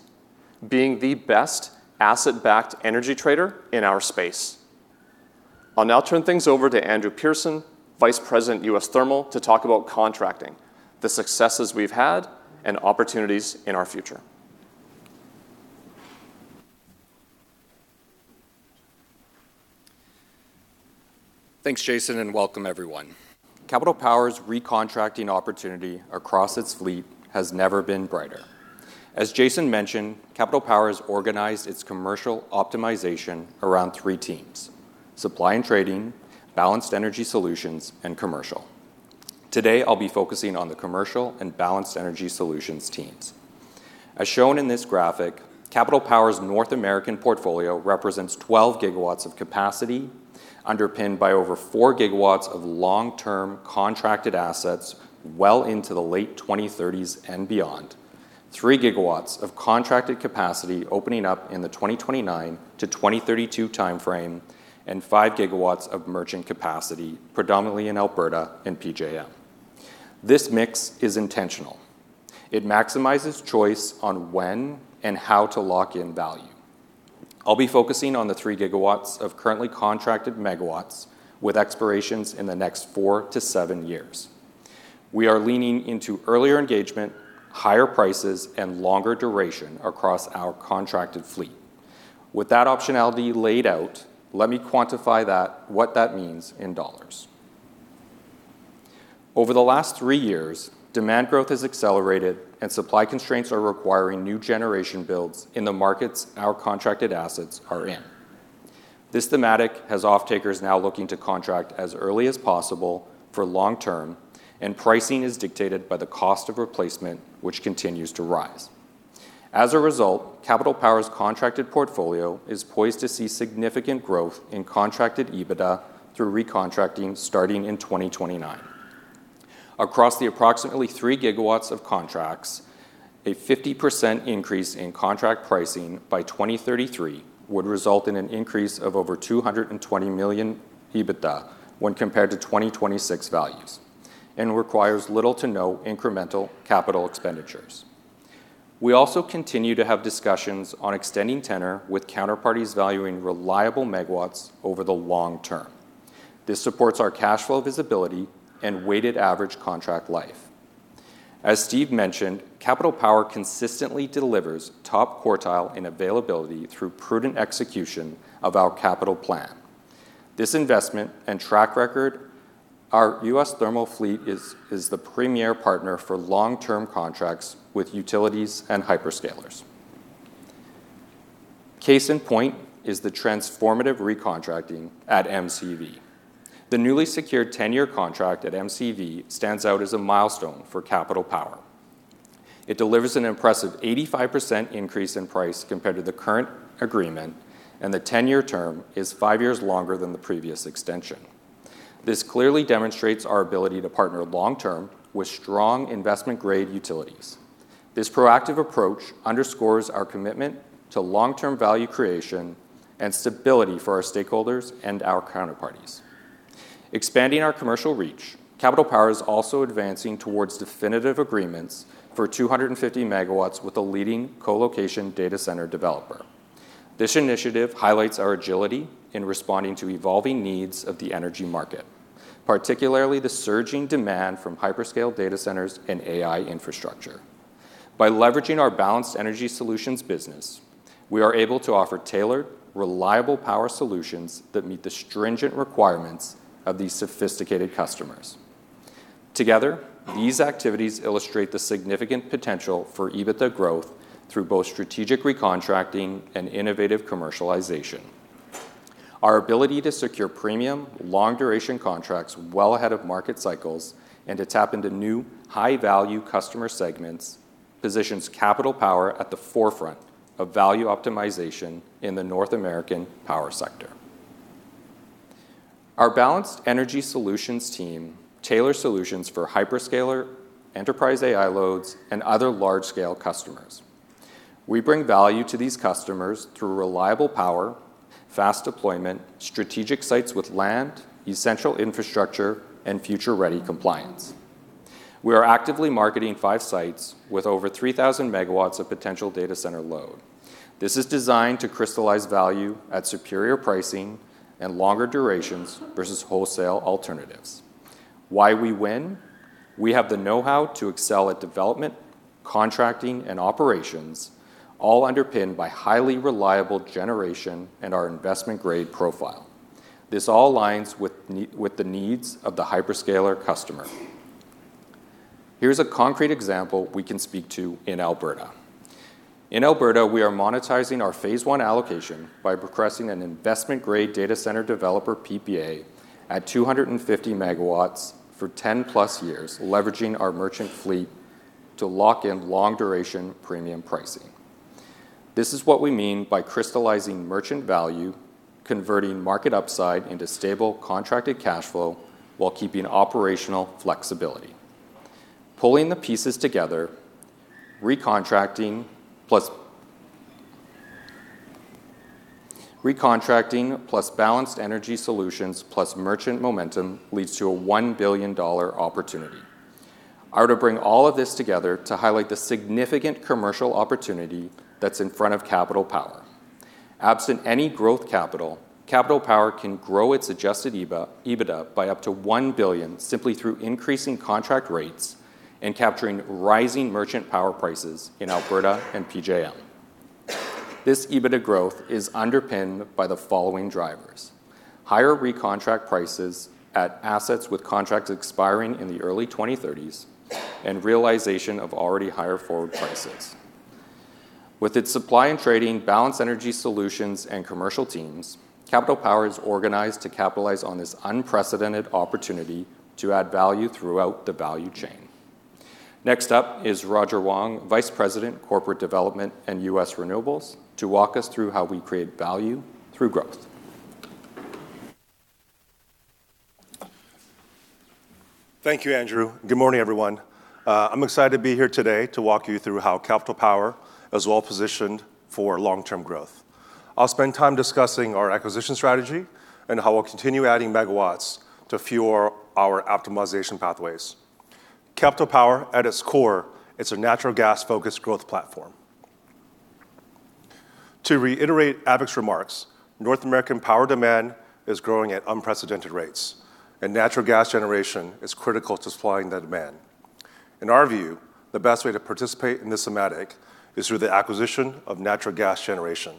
being the best asset-backed energy trader in our space. I'll now turn things over to Andrew Pearson, Vice President, U.S. Thermal, to talk about contracting, the successes we've had, and opportunities in our future. Thanks, Jason, and welcome, everyone. Capital Power's re-contracting opportunity across its fleet has never been brighter. As Jason mentioned, Capital Power has organized its commercial optimization around three teams: Supply and Trading, Balanced Energy Solutions, and Commercial. Today, I'll be focusing on the Commercial and Balanced Energy Solutions teams. As shown in this graphic, Capital Power's North American portfolio represents 12 GW of capacity, underpinned by over 4 GW of long-term contracted assets well into the late 2030s and beyond, 3 GW of contracted capacity opening up in the 2029 to 2032 timeframe, and 5 GW of merchant capacity, predominantly in Alberta and PJM. This mix is intentional. It maximizes choice on when and how to lock in value. I'll be focusing on the 3 GW of currently contracted megawatts with expirations in the next 4-7 years. We are leaning into earlier engagement, higher prices, and longer duration across our contracted fleet. With that optionality laid out, let me quantify what that means in dollars. Over the last three years, demand growth has accelerated, and supply constraints are requiring new generation builds in the markets our contracted assets are in. This thematic has off-takers now looking to contract as early as possible for long-term, and pricing is dictated by the cost of replacement, which continues to rise. As a result, Capital Power's contracted portfolio is poised to see significant growth in contracted EBITDA through re-contracting starting in 2029. Across the approximately 3 GW of contracts, a 50% increase in contract pricing by 2033 would result in an increase of over 220 million EBITDA when compared to 2026 values and requires little to no incremental capital expenditures. We also continue to have discussions on extending tenor with counterparties valuing reliable megawatts over the long term. This supports our cash flow visibility and weighted average contract life. As Steve mentioned, Capital Power consistently delivers top quartile in availability through prudent execution of our capital plan. This investment and track record, our U.S. Thermal fleet is the premier partner for long-term contracts with utilities and hyperscalers. Case in point is the transformative re-contracting at MCV. The newly secured 10-year contract at MCV stands out as a milestone for Capital Power. It delivers an impressive 85% increase in price compared to the current agreement, and the 10-year term is five years longer than the previous extension. This clearly demonstrates our ability to partner long-term with strong investment-grade utilities. This proactive approach underscores our commitment to long-term value creation and stability for our stakeholders and our counterparties. Expanding our commercial reach, Capital Power is also advancing toward definitive agreements for 250 MW with a leading colocation data center developer. This initiative highlights our agility in responding to evolving needs of the energy market, particularly the surging demand from hyperscale data centers and AI infrastructure. By leveraging our Balanced Energy Solutions business, we are able to offer tailored, reliable power solutions that meet the stringent requirements of these sophisticated customers. Together, these activities illustrate the significant potential for EBITDA growth through both strategic re-contracting and innovative commercialization. Our ability to secure premium, long-duration contracts well ahead of market cycles and to tap into new high-value customer segments positions Capital Power at the forefront of value optimization in the North American power sector. Our Balanced Energy Solutions team tailors solutions for hyperscaler, enterprise AI loads, and other large-scale customers. We bring value to these customers through reliable power, fast deployment, strategic sites with land, essential infrastructure, and future-ready compliance. We are actively marketing five sites with over 3,000 MW of potential data center load. This is designed to crystallize value at superior pricing and longer durations versus wholesale alternatives. Why we win? We have the know-how to excel at development, contracting, and operations, all underpinned by highly reliable generation and our investment-grade profile. This all aligns with the needs of the hyperscaler customer. Here's a concrete example we can speak to in Alberta. In Alberta, we are monetizing our phase one allocation by progressing an investment-grade data center developer PPA at 250 MW for 10+ years, leveraging our merchant fleet to lock in long-duration premium pricing. This is what we mean by crystallizing merchant value, converting market upside into stable contracted cash flow while keeping operational flexibility. Pulling the pieces together, re-contracting plus re-contracting plus Balanced Energy Solutions plus merchant momentum leads to a 1 billion dollar opportunity. I would bring all of this together to highlight the significant commercial opportunity that's in front of Capital Power. Absent any growth capital, Capital Power can grow its Adjusted EBITDA by up to 1 billion simply through increasing contract rates and capturing rising merchant power prices in Alberta and PJM. This EBITDA growth is underpinned by the following drivers: higher re-contract prices at assets with contracts expiring in the early 2030s and realization of already higher forward prices. With its Supply and Trading, Balanced Energy Solutions, and Commercial teams, Capital Power is organized to capitalize on this unprecedented opportunity to add value throughout the value chain. Next up is Roger Huang, Vice President, Corporate Development and U.S. Renewables, to walk us through how we create value through growth. Thank you, Andrew. Good morning, everyone. I'm excited to be here today to walk you through how Capital Power is well positioned for long-term growth. I'll spend time discussing our acquisition strategy and how we'll continue adding megawatts to fuel our optimization pathways. Capital Power, at its core, is a natural gas-focused growth platform. To reiterate Avik's remarks, North American power demand is growing at unprecedented rates, and natural gas generation is critical to supplying that demand. In our view, the best way to participate in this thematic is through the acquisition of natural gas generation.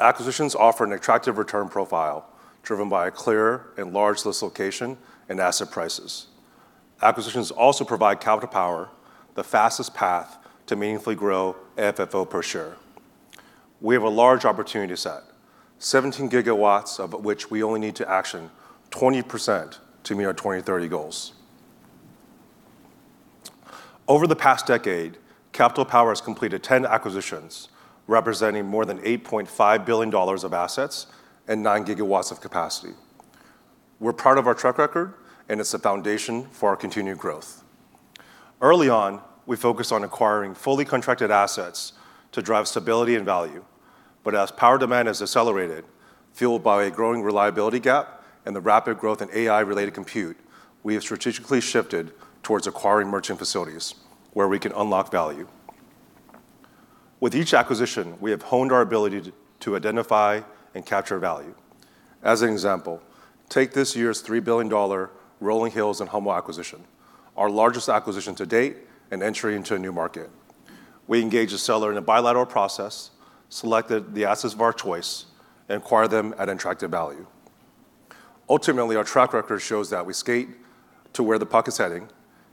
Acquisitions offer an attractive return profile driven by a clear and large dislocation in asset prices. Acquisitions also provide Capital Power the fastest path to meaningfully grow FFO per share. We have a large opportunity set, 17 GW of which we only need to action 20% to meet our 2030 goals. Over the past decade, Capital Power has completed 10 acquisitions, representing more than 8.5 billion dollars of assets and 9 GW of capacity. We're proud of our track record, and it's the foundation for our continued growth. Early on, we focused on acquiring fully contracted assets to drive stability and value. But as power demand has accelerated, fueled by a growing reliability gap and the rapid growth in AI-related compute, we have strategically shifted towards acquiring merchant facilities where we can unlock value. With each acquisition, we have honed our ability to identify and capture value. As an example, take this year's 3 billion dollar Rolling Hills and Hummel acquisition, our largest acquisition to date and entry into a new market. We engage a seller in a bilateral process, select the assets of our choice, and acquire them at attractive value. Ultimately, our track record shows that we skate to where the puck is heading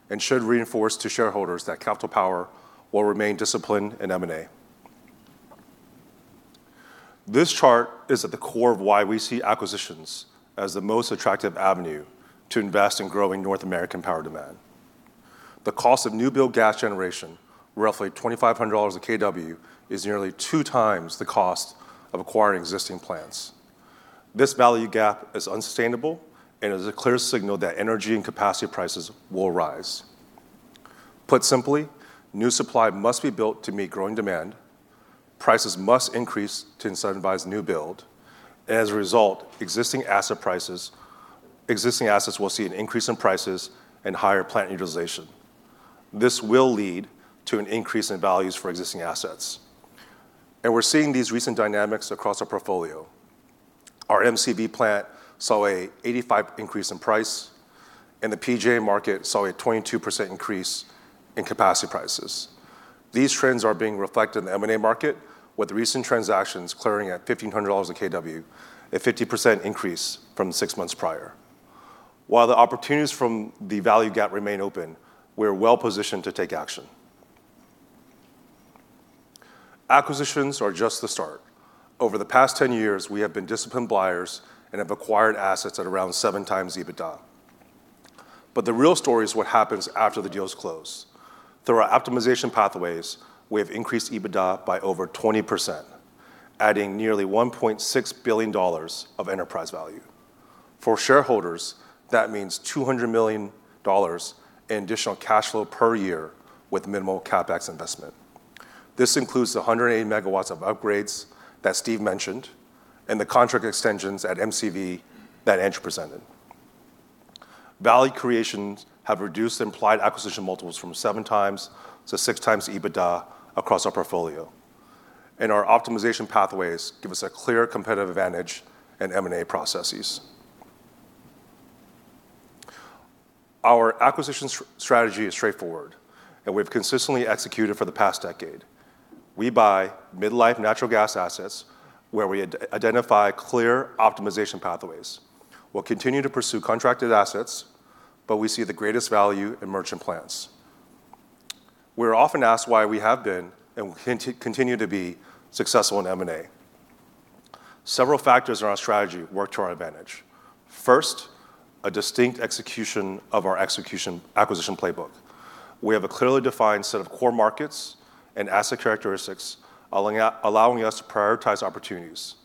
and should reinforce to shareholders that Capital Power will remain disciplined and M&A. This chart is at the core of why we see acquisitions as the most attractive avenue to invest in growing North American power demand. The cost of new build gas generation, roughly 2,500 dollars a kW, is nearly two times the cost of acquiring existing plants. This value gap is unsustainable and is a clear signal that energy and capacity prices will rise. Put simply, new supply must be built to meet growing demand. Prices must increase to incentivize new build. As a result, existing asset prices will see an increase in prices and higher plant utilization. This will lead to an increase in values for existing assets. And we're seeing these recent dynamics across our portfolio. Our MCV plant saw an 85% increase in price, and the PJM market saw a 22% increase in capacity prices. These trends are being reflected in the M&A market, with recent transactions clearing at 1,500 dollars a kW, a 50% increase from six months prior. While the opportunities from the value gap remain open, we are well positioned to take action. Acquisitions are just the start. Over the past 10 years, we have been disciplined buyers and have acquired assets at around 7x EBITDA, but the real story is what happens after the deal is closed. Through our optimization pathways, we have increased EBITDA by over 20%, adding nearly 1.6 billion dollars of enterprise value. For shareholders, that means 200 million dollars in additional cash flow per year with minimal CapEx investment. This includes the 180 MW of upgrades that Steve mentioned and the contract extensions at MCV that Andrew presented. Value creations have reduced implied acquisition multiples from 7x to 6x EBITDA across our portfolio, and our optimization pathways give us a clear competitive advantage in M&A processes. Our acquisition strategy is straightforward, and we've consistently executed for the past decade. We buy mid-life natural gas assets where we identify clear optimization pathways. We'll continue to pursue contracted assets, but we see the greatest value in merchant plants. We are often asked why we have been and continue to be successful in M&A. Several factors in our strategy work to our advantage. First, a distinct execution of our acquisition playbook. We have a clearly defined set of core markets and asset characteristics, allowing us to prioritize opportunities.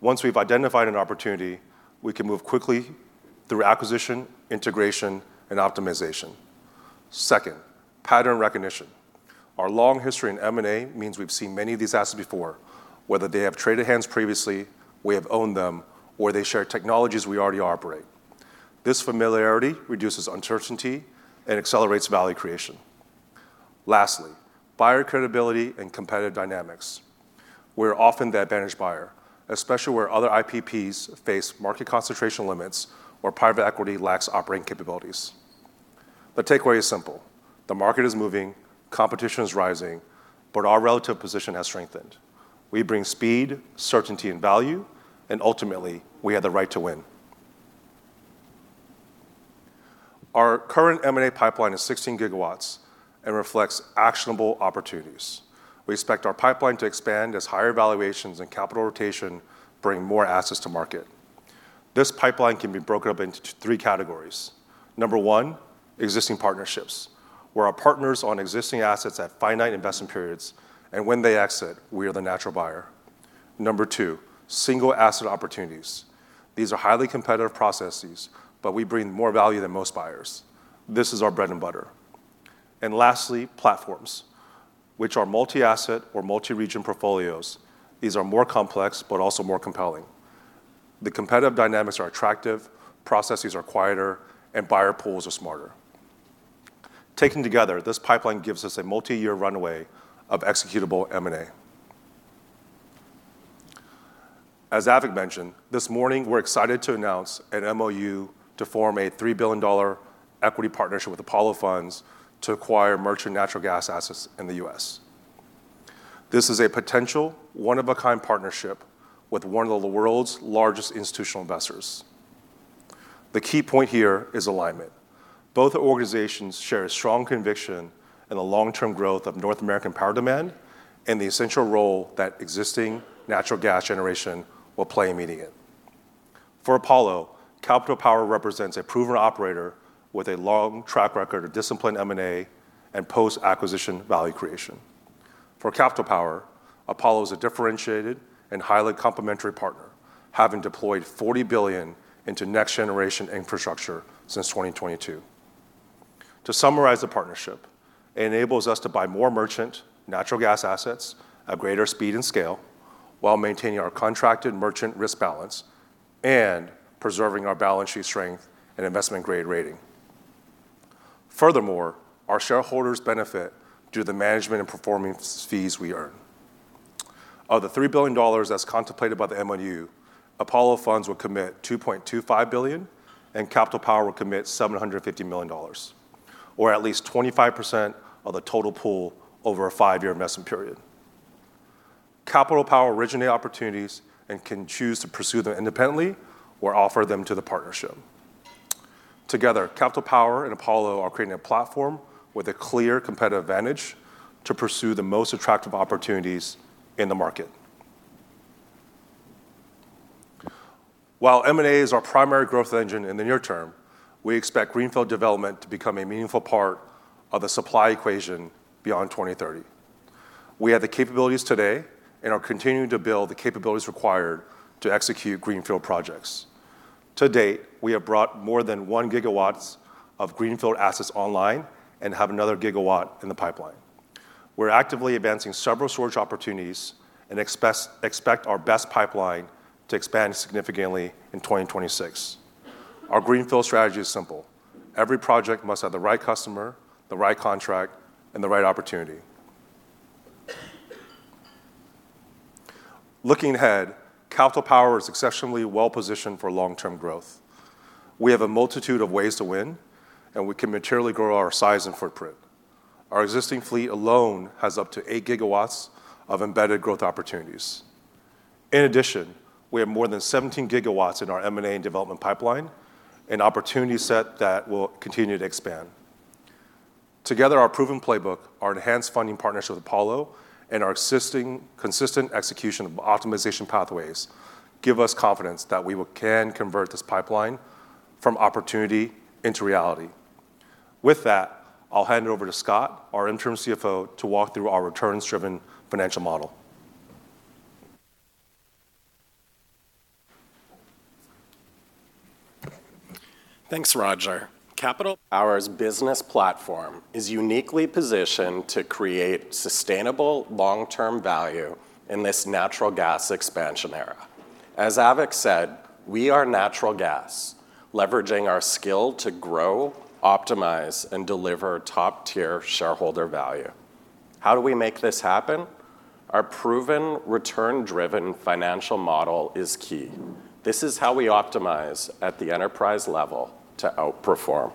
Once we've identified an opportunity, we can move quickly through acquisition, integration, and optimization. Second, pattern recognition. Our long history in M&A means we've seen many of these assets before, whether they have traded hands previously, we have owned them, or they share technologies we already operate. This familiarity reduces uncertainty and accelerates value creation. Lastly, buyer credibility and competitive dynamics. We're often the advantage buyer, especially where other IPPs face market concentration limits or private equity lacks operating capabilities. The takeaway is simple. The market is moving, competition is rising, but our relative position has strengthened. We bring speed, certainty, and value, and ultimately, we have the right to win. Our current M&A pipeline is 16 GW and reflects actionable opportunities. We expect our pipeline to expand as higher valuations and capital rotation bring more assets to market. This pipeline can be broken up into three categories. Number one, existing partnerships, where our partners on existing assets have finite investment periods, and when they exit, we are the natural buyer. Number two, single asset opportunities. These are highly competitive processes, but we bring more value than most buyers. This is our bread and butter. And lastly, platforms, which are multi-asset or multi-region portfolios. These are more complex, but also more compelling. The competitive dynamics are attractive, processes are quieter, and buyer pools are smarter. Taken together, this pipeline gives us a multi-year runway of executable M&A. As Avik mentioned, this morning, we're excited to announce an MOU to form a 3 billion dollar equity partnership with Apollo Funds to acquire merchant natural gas assets in the U.S. This is a potential one-of-a-kind partnership with one of the world's largest institutional investors. The key point here is alignment. Both organizations share a strong conviction in the long-term growth of North American power demand and the essential role that existing natural gas generation will play in meeting it. For Apollo, Capital Power represents a proven operator with a long track record of disciplined M&A and post-acquisition value creation. For Capital Power, Apollo is a differentiated and highly complementary partner, having deployed 40 billion into next-generation infrastructure since 2022. To summarize the partnership, it enables us to buy more merchant natural gas assets at greater speed and scale while maintaining our contracted merchant risk balance and preserving our balance sheet strength and investment-grade rating. Furthermore, our shareholders benefit due to the management and performance fees we earn. Of the 3 billion dollars as contemplated by the MOU, Apollo Funds will commit 2.25 billion, and Capital Power will commit 750 million dollars, or at least 25% of the total pool over a five-year investment period. Capital Power originates opportunities and can choose to pursue them independently or offer them to the partnership. Together, Capital Power and Apollo are creating a platform with a clear competitive advantage to pursue the most attractive opportunities in the market. While M&A is our primary growth engine in the near term, we expect greenfield development to become a meaningful part of the supply equation beyond 2030. We have the capabilities today and are continuing to build the capabilities required to execute greenfield projects. To date, we have brought more than 1 GW of greenfield assets online and have another gigawatt in the pipeline. We're actively advancing several storage opportunities and expect our BESS pipeline to expand significantly in 2026. Our greenfield strategy is simple. Every project must have the right customer, the right contract, and the right opportunity. Looking ahead, Capital Power is exceptionally well positioned for long-term growth. We have a multitude of ways to win, and we can materially grow our size and footprint. Our existing fleet alone has up to 8 GW of embedded growth opportunities. In addition, we have more than 17 GW in our M&A and development pipeline, an opportunity set that will continue to expand. Together, our proven playbook, our enhanced funding partnership with Apollo, and our consistent execution of optimization pathways give us confidence that we can convert this pipeline from opportunity into reality. With that, I'll hand it over to Scott, our Interim CFO, to walk through our returns-driven financial model. Thanks, Roger. Capital Power's business platform is uniquely positioned to create sustainable long-term value in this natural gas expansion era. As Avik said, we are natural gas, leveraging our skill to grow, optimize, and deliver top-tier shareholder value. How do we make this happen? Our proven return-driven financial model is key. This is how we optimize at the enterprise level to outperform.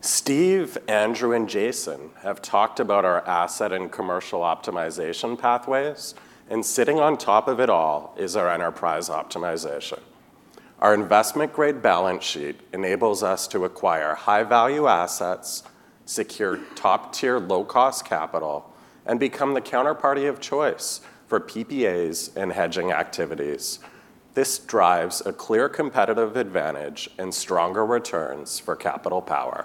Steve, Andrew, and Jason have talked about our asset and commercial optimization pathways, and sitting on top of it all is our enterprise optimization. Our investment-grade balance sheet enables us to acquire high-value assets, secure top-tier low-cost capital, and become the counterparty of choice for PPAs and hedging activities. This drives a clear competitive advantage and stronger returns for Capital Power.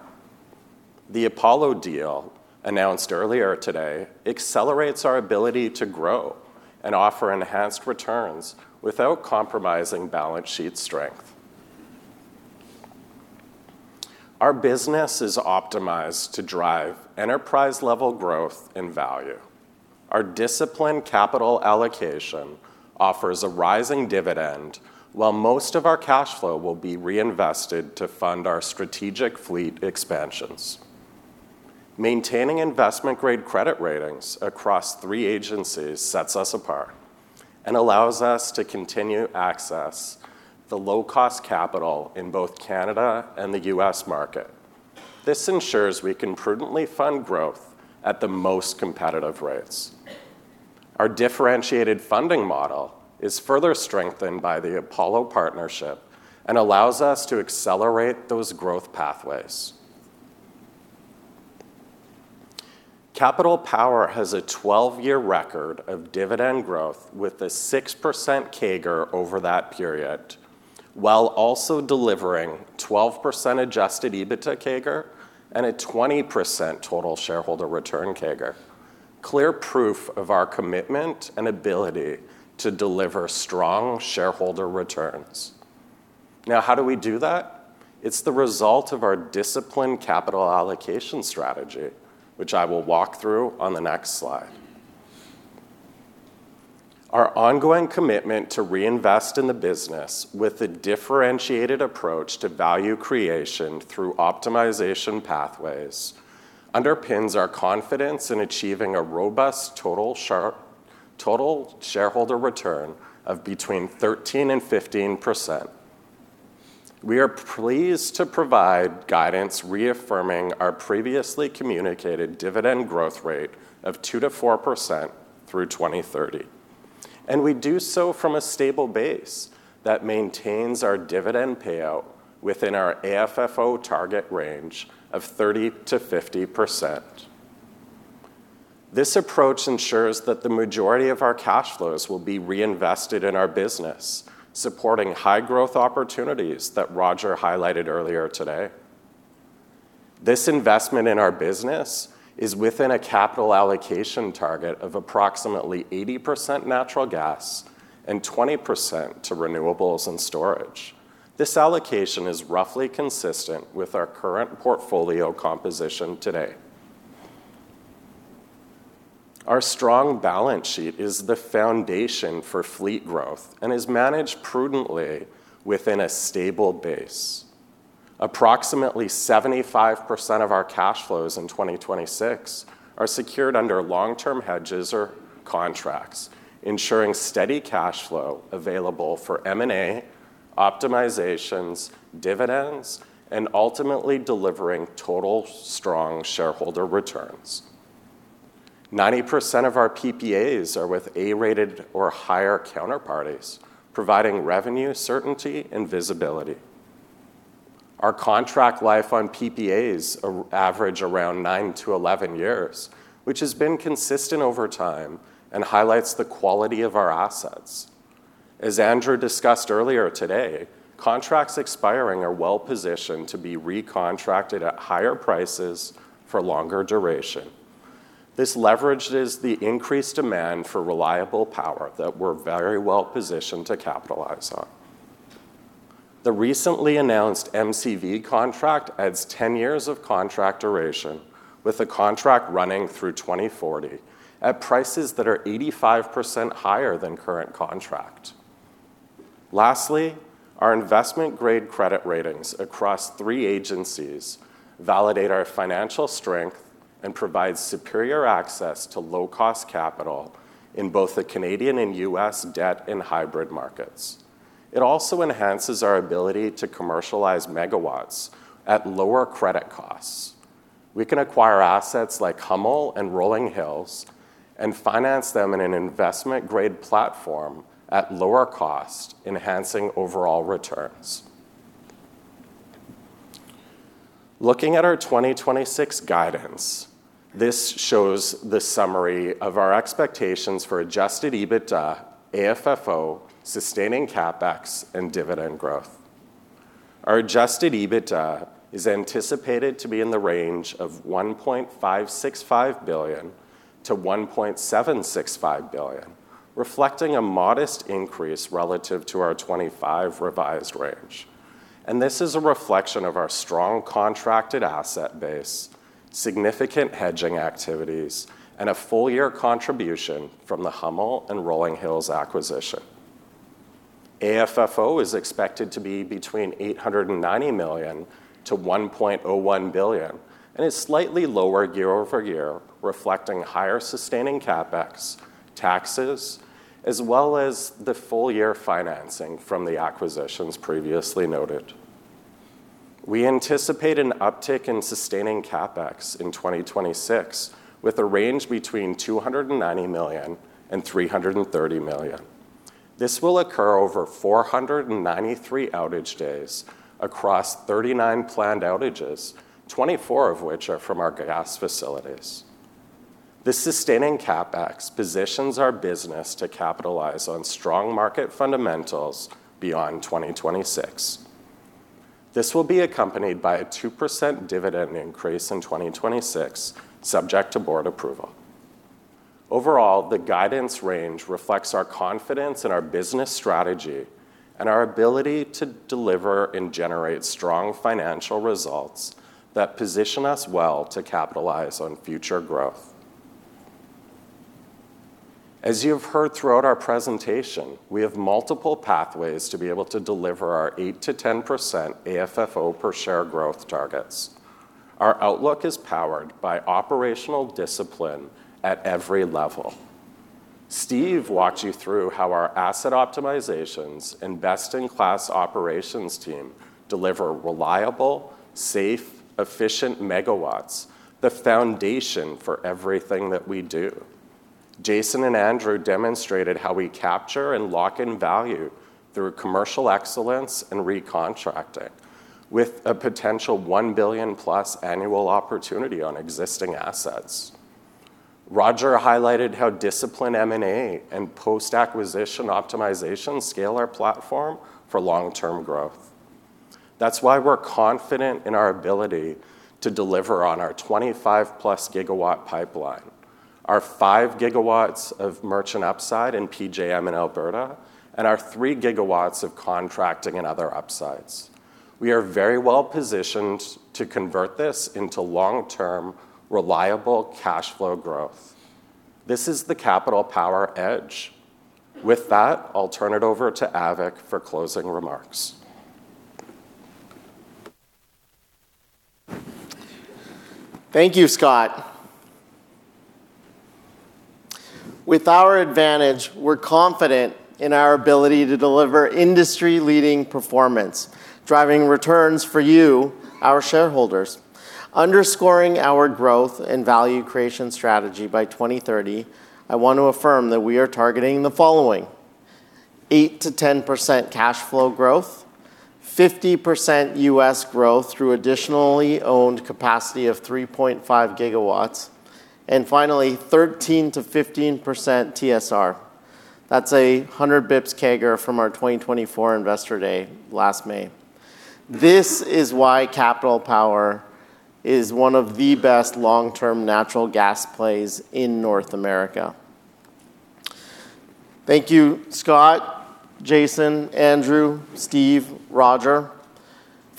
The Apollo deal announced earlier today accelerates our ability to grow and offer enhanced returns without compromising balance sheet strength. Our business is optimized to drive enterprise-level growth and value. Our disciplined capital allocation offers a rising dividend, while most of our cash flow will be reinvested to fund our strategic fleet expansions. Maintaining investment-grade credit ratings across three agencies sets us apart and allows us to continue access to low-cost capital in both Canada and the U.S. market. This ensures we can prudently fund growth at the most competitive rates. Our differentiated funding model is further strengthened by the Apollo partnership and allows us to accelerate those growth pathways. Capital Power has a 12-year record of dividend growth with a 6% CAGR over that period, while also delivering 12% Adjusted EBITDA CAGR and a 20% Total Shareholder Return CAGR, clear proof of our commitment and ability to deliver strong shareholder returns. Now, how do we do that? It's the result of our disciplined capital allocation strategy, which I will walk through on the next slide. Our ongoing commitment to reinvest in the business with a differentiated approach to value creation through optimization pathways underpins our confidence in achieving a robust Total Shareholder Return of between 13% and 15%. We are pleased to provide guidance reaffirming our previously communicated dividend growth rate of 2% to 4% through 2030. We do so from a stable base that maintains our dividend payout within our AFFO target range of 30%-50%. This approach ensures that the majority of our cash flows will be reinvested in our business, supporting high-growth opportunities that Roger highlighted earlier today. This investment in our business is within a capital allocation target of approximately 80% natural gas and 20% to renewables and storage. This allocation is roughly consistent with our current portfolio composition today. Our strong balance sheet is the foundation for fleet growth and is managed prudently within a stable base. Approximately 75% of our cash flows in 2026 are secured under long-term hedges or contracts, ensuring steady cash flow available for M&A, optimizations, dividends, and ultimately delivering total strong shareholder returns. 90% of our PPAs are with A-rated or higher counterparties, providing revenue certainty and visibility. Our contract life on PPAs averages around 9-11 years, which has been consistent over time and highlights the quality of our assets. As Andrew discussed earlier today, contracts expiring are well positioned to be recontracted at higher prices for longer duration. This leverages the increased demand for reliable power that we're very well positioned to capitalize on. The recently announced MCV contract adds 10 years of contract duration, with the contract running through 2040 at prices that are 85% higher than current contract. Lastly, our investment-grade credit ratings across three agencies validate our financial strength and provide superior access to low-cost capital in both the Canadian and U.S. debt and hybrid markets. It also enhances our ability to commercialize megawatts at lower credit costs. We can acquire assets like Hummel and Rolling Hills and finance them in an investment-grade platform at lower cost, enhancing overall returns. Looking at our 2026 guidance, this shows the summary of our expectations for Adjusted EBITDA, AFFO, sustaining CapEx, and dividend growth. Our Adjusted EBITDA is anticipated to be in the range of 1.565 billion-1.765 billion, reflecting a modest increase relative to our 2025 revised range. And this is a reflection of our strong contracted asset base, significant hedging activities, and a full-year contribution from the Hummel and Rolling Hills acquisition. AFFO is expected to be between 890 million-1.01 billion and is slightly lower year-over-year, reflecting higher sustaining CapEx, taxes, as well as the full-year financing from the acquisitions previously noted. We anticipate an uptick in sustaining CapEx in 2026 with a range between 290 million and 330 million. This will occur over 493 outage days across 39 planned outages, 24 of which are from our gas facilities. This sustaining CapEx positions our business to capitalize on strong market fundamentals beyond 2026. This will be accompanied by a 2% dividend increase in 2026, subject to Board approval. Overall, the guidance range reflects our confidence in our business strategy and our ability to deliver and generate strong financial results that position us well to capitalize on future growth. As you've heard throughout our presentation, we have multiple pathways to be able to deliver our 8%-10% AFFO per share growth targets. Our outlook is powered by operational discipline at every level. Steve walked you through how our asset optimizations and best-in-class operations team deliver reliable, safe, efficient megawatts, the foundation for everything that we do. Jason and Andrew demonstrated how we capture and lock in value through commercial excellence and recontracting, with a potential 1 billion+ annual opportunity on existing assets. Roger highlighted how disciplined M&A and post-acquisition optimizations scale our platform for long-term growth. That's why we're confident in our ability to deliver on our 25+ GW pipeline, our 5 GW of merchant upside in PJM in Alberta, and our 3 GW of contracting and other upsides. We are very well positioned to convert this into long-term reliable cash flow growth. This is the Capital Power Edge. With that, I'll turn it over to Avik for closing remarks. Thank you, Scott. With our advantage, we're confident in our ability to deliver industry-leading performance, driving returns for you, our shareholders. Underscoring our growth and value creation strategy by 2030, I want to affirm that we are targeting the following: 8%-10% cash flow growth, 50% U.S. growth through additionally owned capacity of 3.5 GW, and finally, 13%-15% TSR. That's a 100 basis points CAGR from our 2024 Investor Day last May. This is why Capital Power is one of the best long-term natural gas plays in North America. Thank you, Scott, Jason, Andrew, Steve, Roger,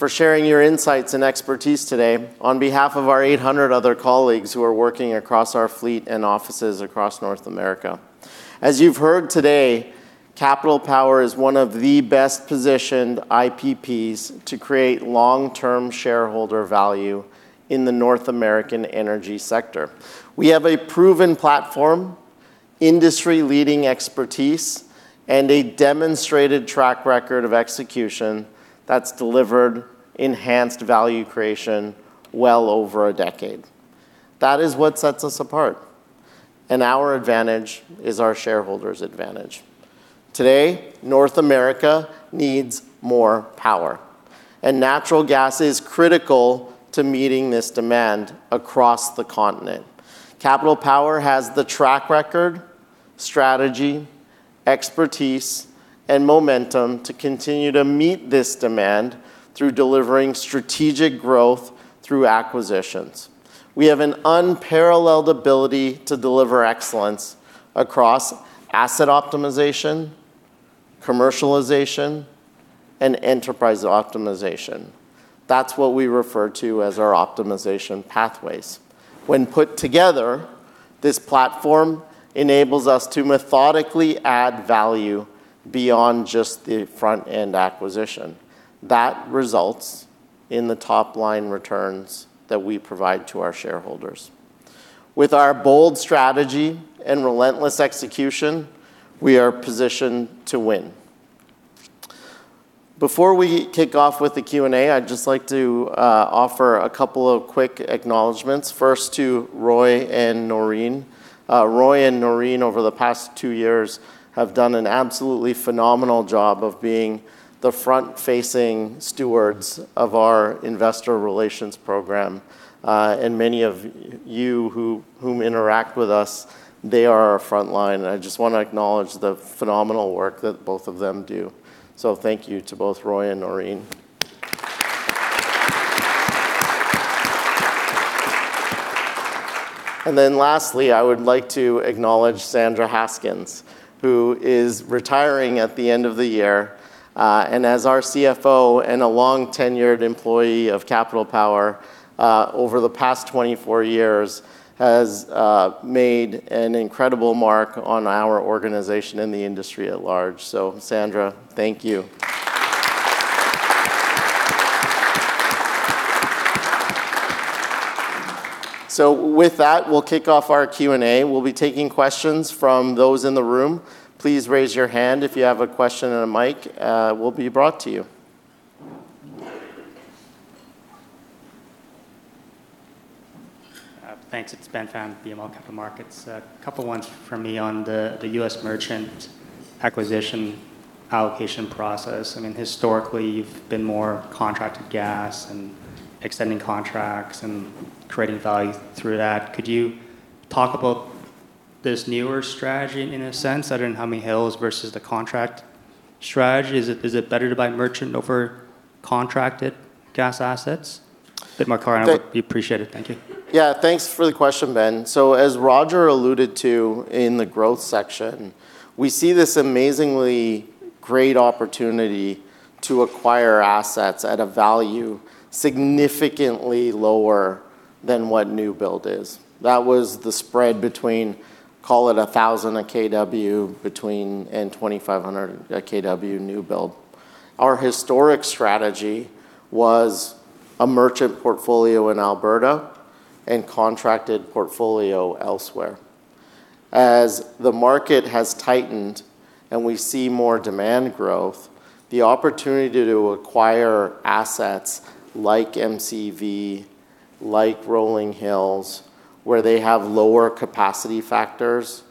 for sharing your insights and expertise today on behalf of our 800 other colleagues who are working across our fleet and offices across North America. As you've heard today, Capital Power is one of the best-positioned IPPs to create long-term shareholder value in the North American energy sector. We have a proven platform, industry-leading expertise, and a demonstrated track record of execution that's delivered enhanced value creation well over a decade. That is what sets us apart, and our advantage is our shareholders' advantage. Today, North America needs more power, and natural gas is critical to meeting this demand across the continent. Capital Power has the track record, strategy, expertise, and momentum to continue to meet this demand through delivering strategic growth through acquisitions. We have an unparalleled ability to deliver excellence across asset optimization, commercialization, and enterprise optimization. That's what we refer to as our optimization pathways. When put together, this platform enables us to methodically add value beyond just the front-end acquisition. That results in the top-line returns that we provide to our shareholders. With our bold strategy and relentless execution, we are positioned to win. Before we kick off with the Q&A, I'd just like to offer a couple of quick acknowledgments, first to Roy and Noreen. Roy and Noreen, over the past two years, have done an absolutely phenomenal job of being the front-facing stewards of our investor relations program. And many of you who interact with us, they are our frontline. And I just want to acknowledge the phenomenal work that both of them do. So thank you to both Roy and Noreen. And then lastly, I would like to acknowledge Sandra Haskins, who is retiring at the end of the year. And as our CFO and a long-tenured employee of Capital Power, over the past 24 years, has made an incredible mark on our organization and the industry at large. So Sandra, thank you. So with that, we'll kick off our Q&A. We'll be taking questions from those in the room. Please raise your hand if you have a question and a mic will be brought to you. Thanks. It's Ben Pham with BMO Capital Markets. A couple of ones from me on the U.S. merchant acquisition allocation process. I mean, historically, you've been more contracted gas and extending contracts and creating value through that. Could you talk about this newer strategy in a sense? I don't know how merchant versus the contract strategy. Is it better to buy merchant over contracted gas assets? A bit more clarity. We appreciate it. Thank you. Yeah, thanks for the question, Ben. So as Roger alluded to in the growth section, we see this amazingly great opportunity to acquire assets at a value significantly lower than what new build is. That was the spread between, call it 1,000/kW-2,500/kW new build. Our historic strategy was a merchant portfolio in Alberta and contracted portfolio elsewhere. As the market has tightened and we see more demand growth, the opportunity to acquire assets like MCV, like Rolling Hills, where they have lower capacity factors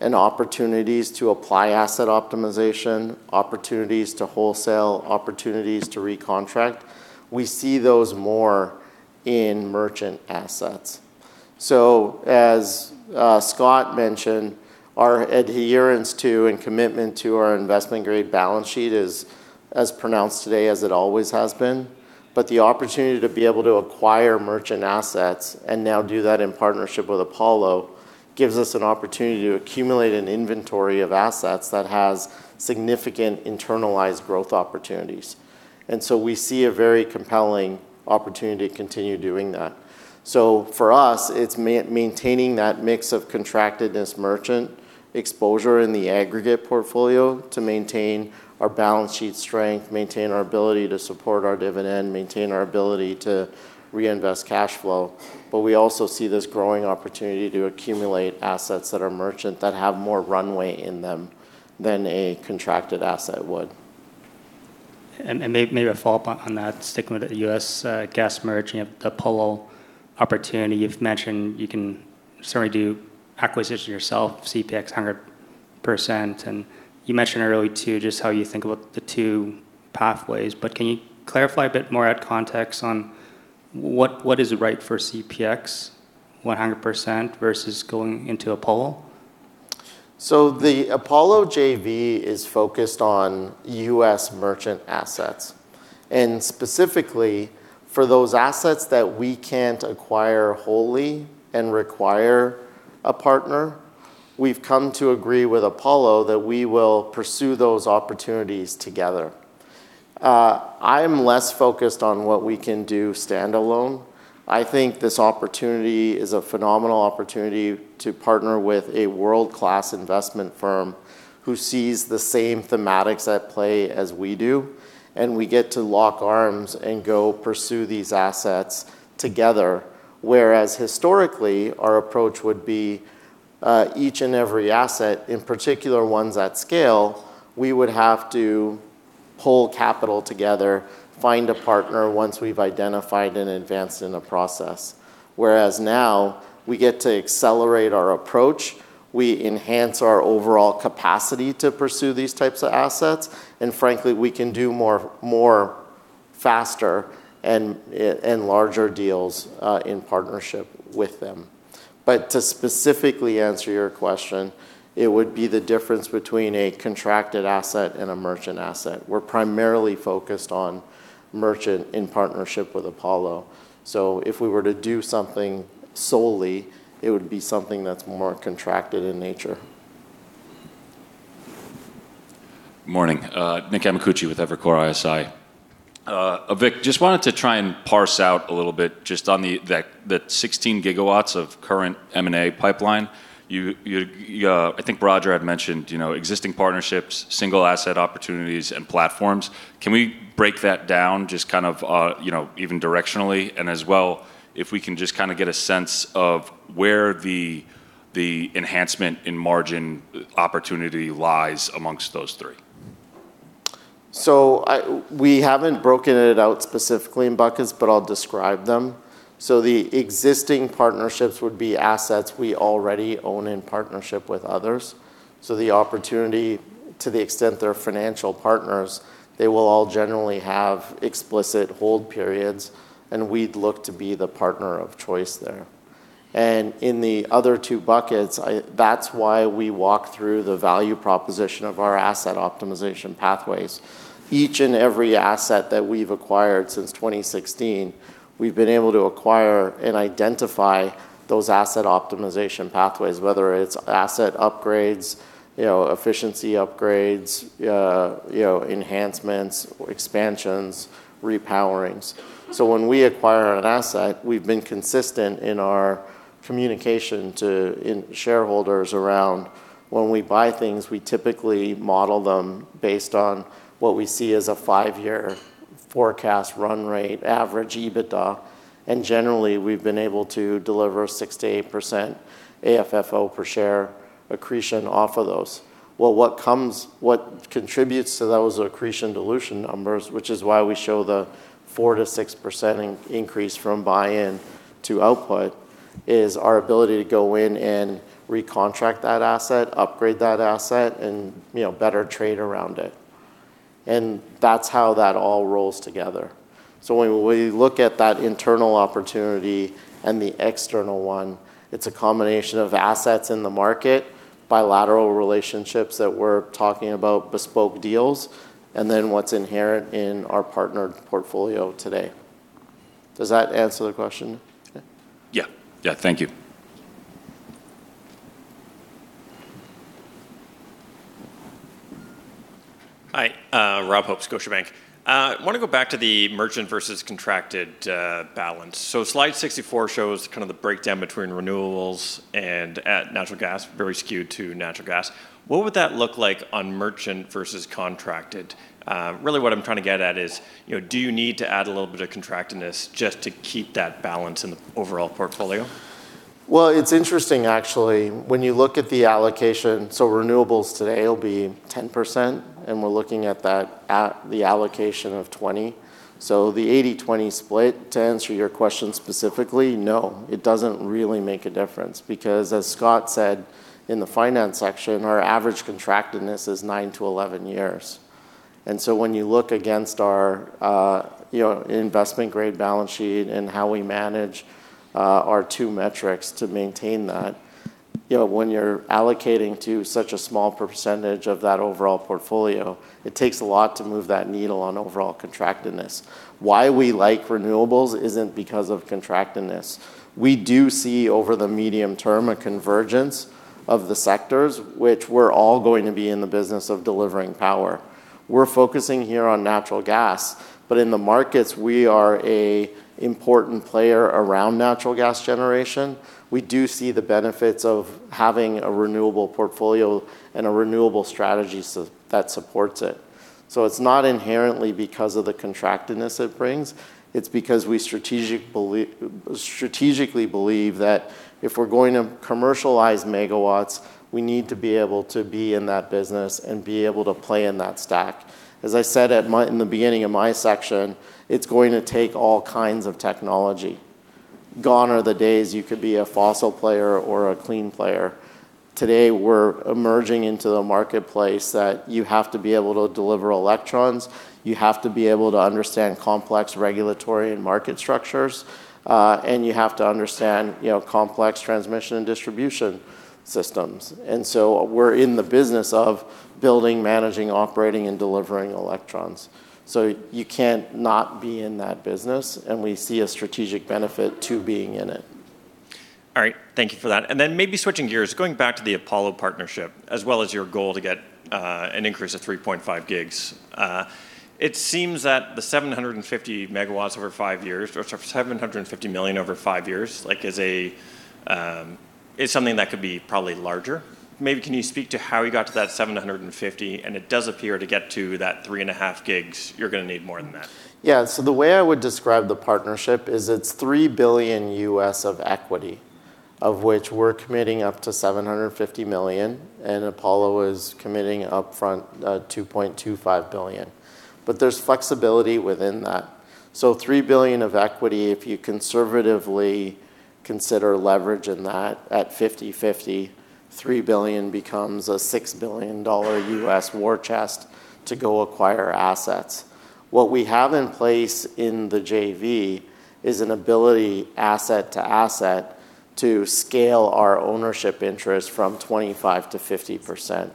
and opportunities to apply asset optimization, opportunities to wholesale, opportunities to recontract, we see those more in merchant assets. So as Scott mentioned, our adherence to and commitment to our investment-grade balance sheet is as pronounced today as it always has been. But the opportunity to be able to acquire merchant assets and now do that in partnership with Apollo gives us an opportunity to accumulate an inventory of assets that has significant internalized growth opportunities. And so we see a very compelling opportunity to continue doing that. So for us, it's maintaining that mix of contractedness, merchant exposure in the aggregate portfolio to maintain our balance sheet strength, maintain our ability to support our dividend, maintain our ability to reinvest cash flow. But we also see this growing opportunity to accumulate assets that are merchant that have more runway in them than a contracted asset would. And maybe a follow-up on that statement, the U.S. gas merchant, the Apollo opportunity you've mentioned, you can certainly do acquisition yourself, CPX 100%. And you mentioned earlier too just how you think about the two pathways. But can you clarify a bit more, add context on what is right for CPX 100% versus going into Apollo? The Apollo JV is focused on U.S. merchant assets. And specifically for those assets that we can't acquire wholly and require a partner, we've come to agree with Apollo that we will pursue those opportunities together. I am less focused on what we can do standalone. I think this opportunity is a phenomenal opportunity to partner with a world-class investment firm who sees the same thematics at play as we do. And we get to lock arms and go pursue these assets together. Whereas historically, our approach would be each and every asset, in particular ones at scale, we would have to pull capital together, find a partner once we've identified and advanced in the process. Whereas now we get to accelerate our approach, we enhance our overall capacity to pursue these types of assets. And frankly, we can do more faster and larger deals in partnership with them. But to specifically answer your question, it would be the difference between a contracted asset and a merchant asset. We're primarily focused on merchant in partnership with Apollo. So if we were to do something solely, it would be something that's more contracted in nature. Good morning. Nick Amicucci with Evercore ISI. Avik, just wanted to try and parse out a little bit just on the 16 GW of current M&A pipeline. I think Roger had mentioned existing partnerships, single asset opportunities, and platforms. Can we break that down just kind of even directionally? And as well, if we can just kind of get a sense of where the enhancement in margin opportunity lies among those three. So we haven't broken it out specifically in buckets, but I'll describe them. So the existing partnerships would be assets we already own in partnership with others. So the opportunity, to the extent they're financial partners, they will all generally have explicit hold periods, and we'd look to be the partner of choice there. And in the other two buckets, that's why we walk through the value proposition of our asset optimization pathways. Each and every asset that we've acquired since 2016, we've been able to acquire and identify those asset optimization pathways, whether it's asset upgrades, efficiency upgrades, enhancements, expansions, repowerings. So when we acquire an asset, we've been consistent in our communication to shareholders around when we buy things. We typically model them based on what we see as a five-year forecast run rate average EBITDA. And generally, we've been able to deliver 6%-8% AFFO per share accretion off of those. Well, what contributes to those accretion dilution numbers, which is why we show the 4%-6% increase from buy-in to output, is our ability to go in and recontract that asset, upgrade that asset, and better trade around it. And that's how that all rolls together. So when we look at that internal opportunity and the external one, it's a combination of assets in the market, bilateral relationships that we're talking about, bespoke deals, and then what's inherent in our partner portfolio today. Does that answer the question? Yeah. Yeah. Thank you. Hi. Rob Hope, Scotiabank. I want to go back to the merchant versus contracted balance. So slide 64 shows kind of the breakdown between renewables and natural gas, very skewed to natural gas. What would that look like on merchant versus contracted? Really, what I'm trying to get at is, do you need to add a little bit of contractingness just to keep that balance in the overall portfolio? Well, it's interesting, actually. When you look at the allocation, so renewables today will be 10%, and we're looking at the allocation of 20%. So the 80/20 split, to answer your question specifically, no, it doesn't really make a difference. Because as Scott said in the finance section, our average contractingness is 9-11 years. And so when you look against our investment-grade balance sheet and how we manage our two metrics to maintain that, when you're allocating to such a small percentage of that overall portfolio, it takes a lot to move that needle on overall contractingness. Why we like renewables isn't because of contractingness. We do see over the medium-term a convergence of the sectors, which we're all going to be in the business of delivering power. We're focusing here on natural gas, but in the markets, we are an important player around natural gas generation. We do see the benefits of having a renewable portfolio and a renewable strategy that supports it. So it's not inherently because of the contractingness it brings. It's because we strategically believe that if we're going to commercialize megawatts, we need to be able to be in that business and be able to play in that stack. As I said in the beginning of my section, it's going to take all kinds of technology. Gone are the days you could be a fossil player or a clean player. Today, we're emerging into the marketplace that you have to be able to deliver electrons. You have to be able to understand complex regulatory and market structures. And you have to understand complex transmission and distribution systems. And so we're in the business of building, managing, operating, and delivering electrons. So you can't not be in that business, and we see a strategic benefit to being in it. All right. Thank you for that. And then maybe switching gears, going back to the Apollo partnership, as well as your goal to get an increase of 3.5 GW, it seems that the 750 MW over five years, or 750 million over five years, is something that could be probably larger. Maybe can you speak to how you got to that 750? And it does appear to get to that 3.5 GW, you're going to need more than that. Yeah. So the way I would describe the partnership is it's 3 billion U.S. of equity, of which we're committing up to 750 million, and Apollo is committing upfront 2.25 billion. But there's flexibility within that. So 3 billion of equity, if you conservatively consider leveraging that at 50/50, 3 billion becomes a 6 billion dollar U.S. war chest to go acquire assets. What we have in place in the JV is an ability asset to asset to scale our ownership interest from 25%-50%.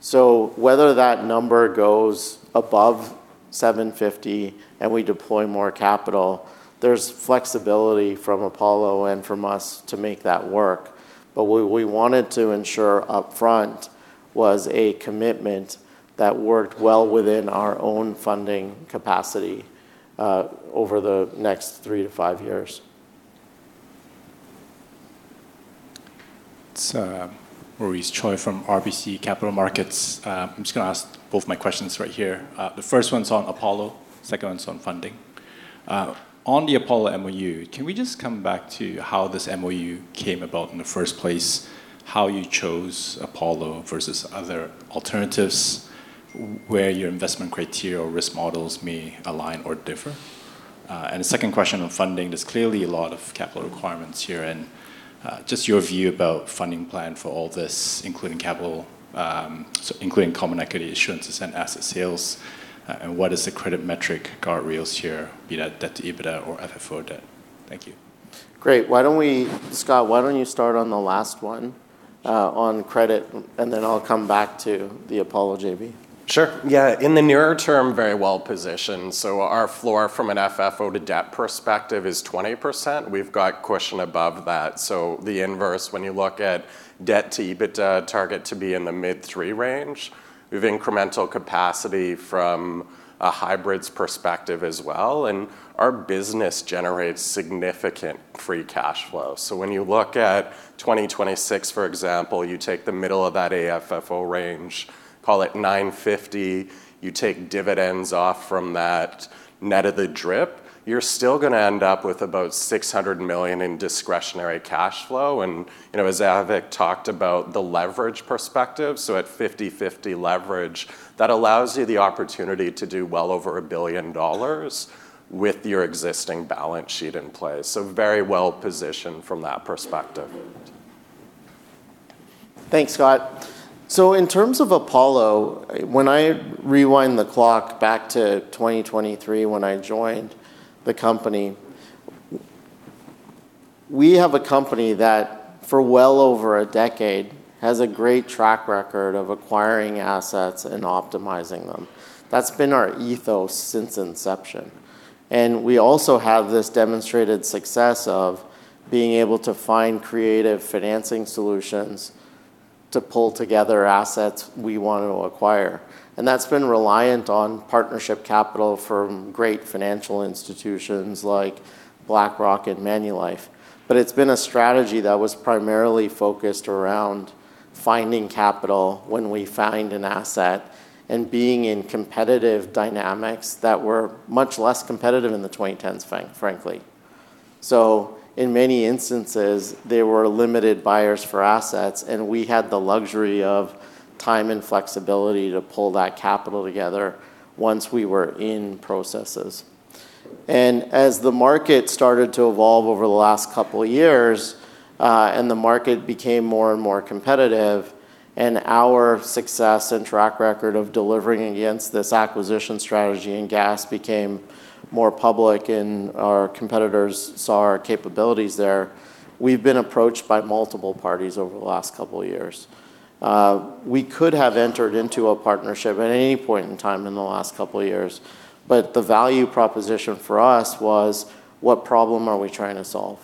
So whether that number goes above 750 and we deploy more capital, there's flexibility from Apollo and from us to make that work. But what we wanted to ensure upfront was a commitment that worked well within our own funding capacity over the next three to five years. It's Maurice Choy from RBC Capital Markets. I'm just going to ask both my questions right here. The first one's on Apollo, the second one's on funding. On the Apollo MOU, can we just come back to how this MOU came about in the first place, how you chose Apollo versus other alternatives, where your investment criteria or risk models may align or differ? And the second question on funding, there's clearly a lot of capital requirements here. And just your view about funding plan for all this, including common equity issuances and asset sales, and what is the credit metric guardrails here, be that debt to EBITDA or FFO debt? Thank you. Great. Scott, why don't you start on the last one on credit, and then I'll come back to the Apollo JV? Sure. Yeah. In the nearer term, very well positioned, so our floor from an FFO to debt perspective is 20%. We've got cushion above that, so the inverse, when you look at debt to EBITDA, target to be in the mid-three range. We have incremental capacity from a hybrids perspective as well, and our business generates significant free cash flow. When you look at 2026, for example, you take the middle of that AFFO range, call it 950, you take dividends off from that net of the DRIP, you're still going to end up with about 600 million in discretionary cash flow. As Avik talked about the leverage perspective, at 50/50 leverage that allows you the opportunity to do well over 1 billion dollars with your existing balance sheet in place. Very well positioned from that perspective. Thanks, Scott. In terms of Apollo, when I rewind the clock back to 2023, when I joined the company, we have a company that for well over a decade has a great track record of acquiring assets and optimizing them. That's been our ethos since inception. And we also have this demonstrated success of being able to find creative financing solutions to pull together assets we want to acquire. And that's been reliant on partnership capital from great financial institutions like BlackRock and Manulife. But it's been a strategy that was primarily focused around finding capital when we find an asset and being in competitive dynamics that were much less competitive in the 2010s, frankly. So in many instances, there were limited buyers for assets, and we had the luxury of time and flexibility to pull that capital together once we were in processes. And as the market started to evolve over the last couple of years, and the market became more and more competitive, and our success and track record of delivering against this acquisition strategy in gas became more public and our competitors saw our capabilities there, we've been approached by multiple parties over the last couple of years. We could have entered into a partnership at any point in time in the last couple of years, but the value proposition for us was, what problem are we trying to solve?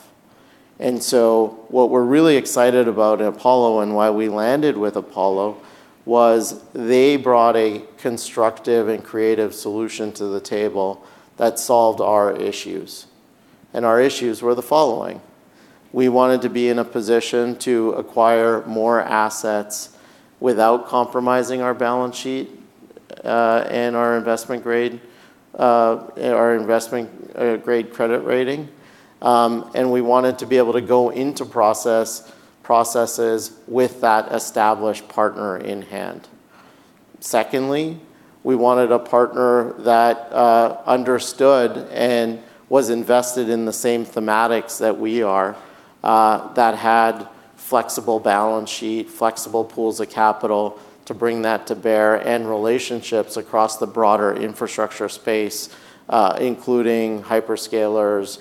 And so what we're really excited about in Apollo and why we landed with Apollo was they brought a constructive and creative solution to the table that solved our issues. And our issues were the following. We wanted to be in a position to acquire more assets without compromising our balance sheet and our investment grade, our investment-grade credit rating. And we wanted to be able to go into processes with that established partner in hand. Secondly, we wanted a partner that understood and was invested in the same thematics that we are, that had flexible balance sheet, flexible pools of capital to bring that to bear and relationships across the broader infrastructure space, including hyperscalers,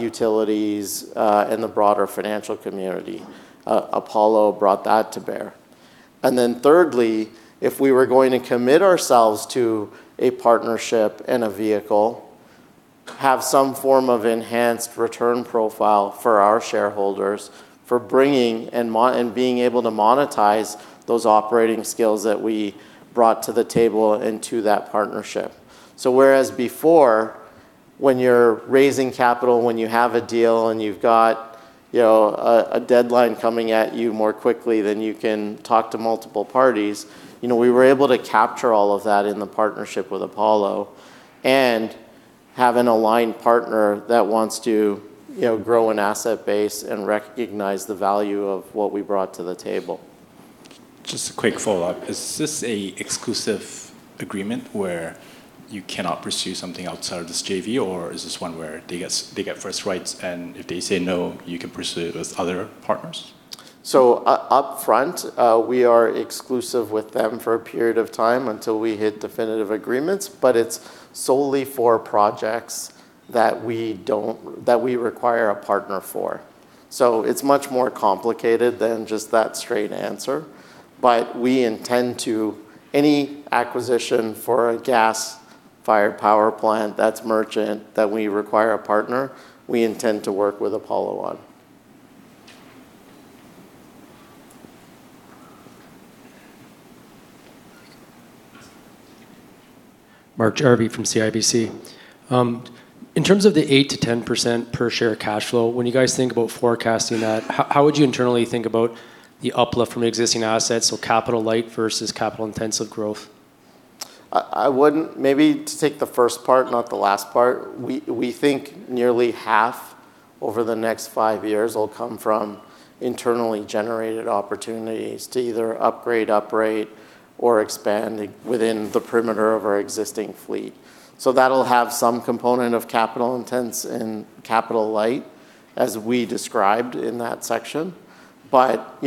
utilities, and the broader financial community. Apollo brought that to bear. And then thirdly, if we were going to commit ourselves to a partnership and a vehicle, have some form of enhanced return profile for our shareholders for bringing and being able to monetize those operating skills that we brought to the table into that partnership. So whereas before, when you're raising capital, when you have a deal and you've got a deadline coming at you more quickly than you can talk to multiple parties, we were able to capture all of that in the partnership with Apollo and have an aligned partner that wants to grow an asset base and recognize the value of what we brought to the table. Just a quick follow-up. Is this an exclusive agreement where you cannot pursue something outside of this JV, or is this one where they get first rights and if they say no, you can pursue it with other partners? So upfront, we are exclusive with them for a period of time until we hit definitive agreements, but it's solely for projects that we require a partner for. So it's much more complicated than just that straight answer. But we intend to. Any acquisition for a gas-fired power plant that's merchant that we require a partner, we intend to work with Apollo on. Mark Jarvi from CIBC. In terms of the 8%-10% per share cash flow, when you guys think about forecasting that, how would you internally think about the uplift from existing assets, so capital light versus capital-intensive growth? Maybe to take the first part, not the last part, we think nearly half over the next five years will come from internally generated opportunities to either upgrade, uprate, or expand within the perimeter of our existing fleet, so that'll have some component of capital-intensive and capital light, as we described in that section, but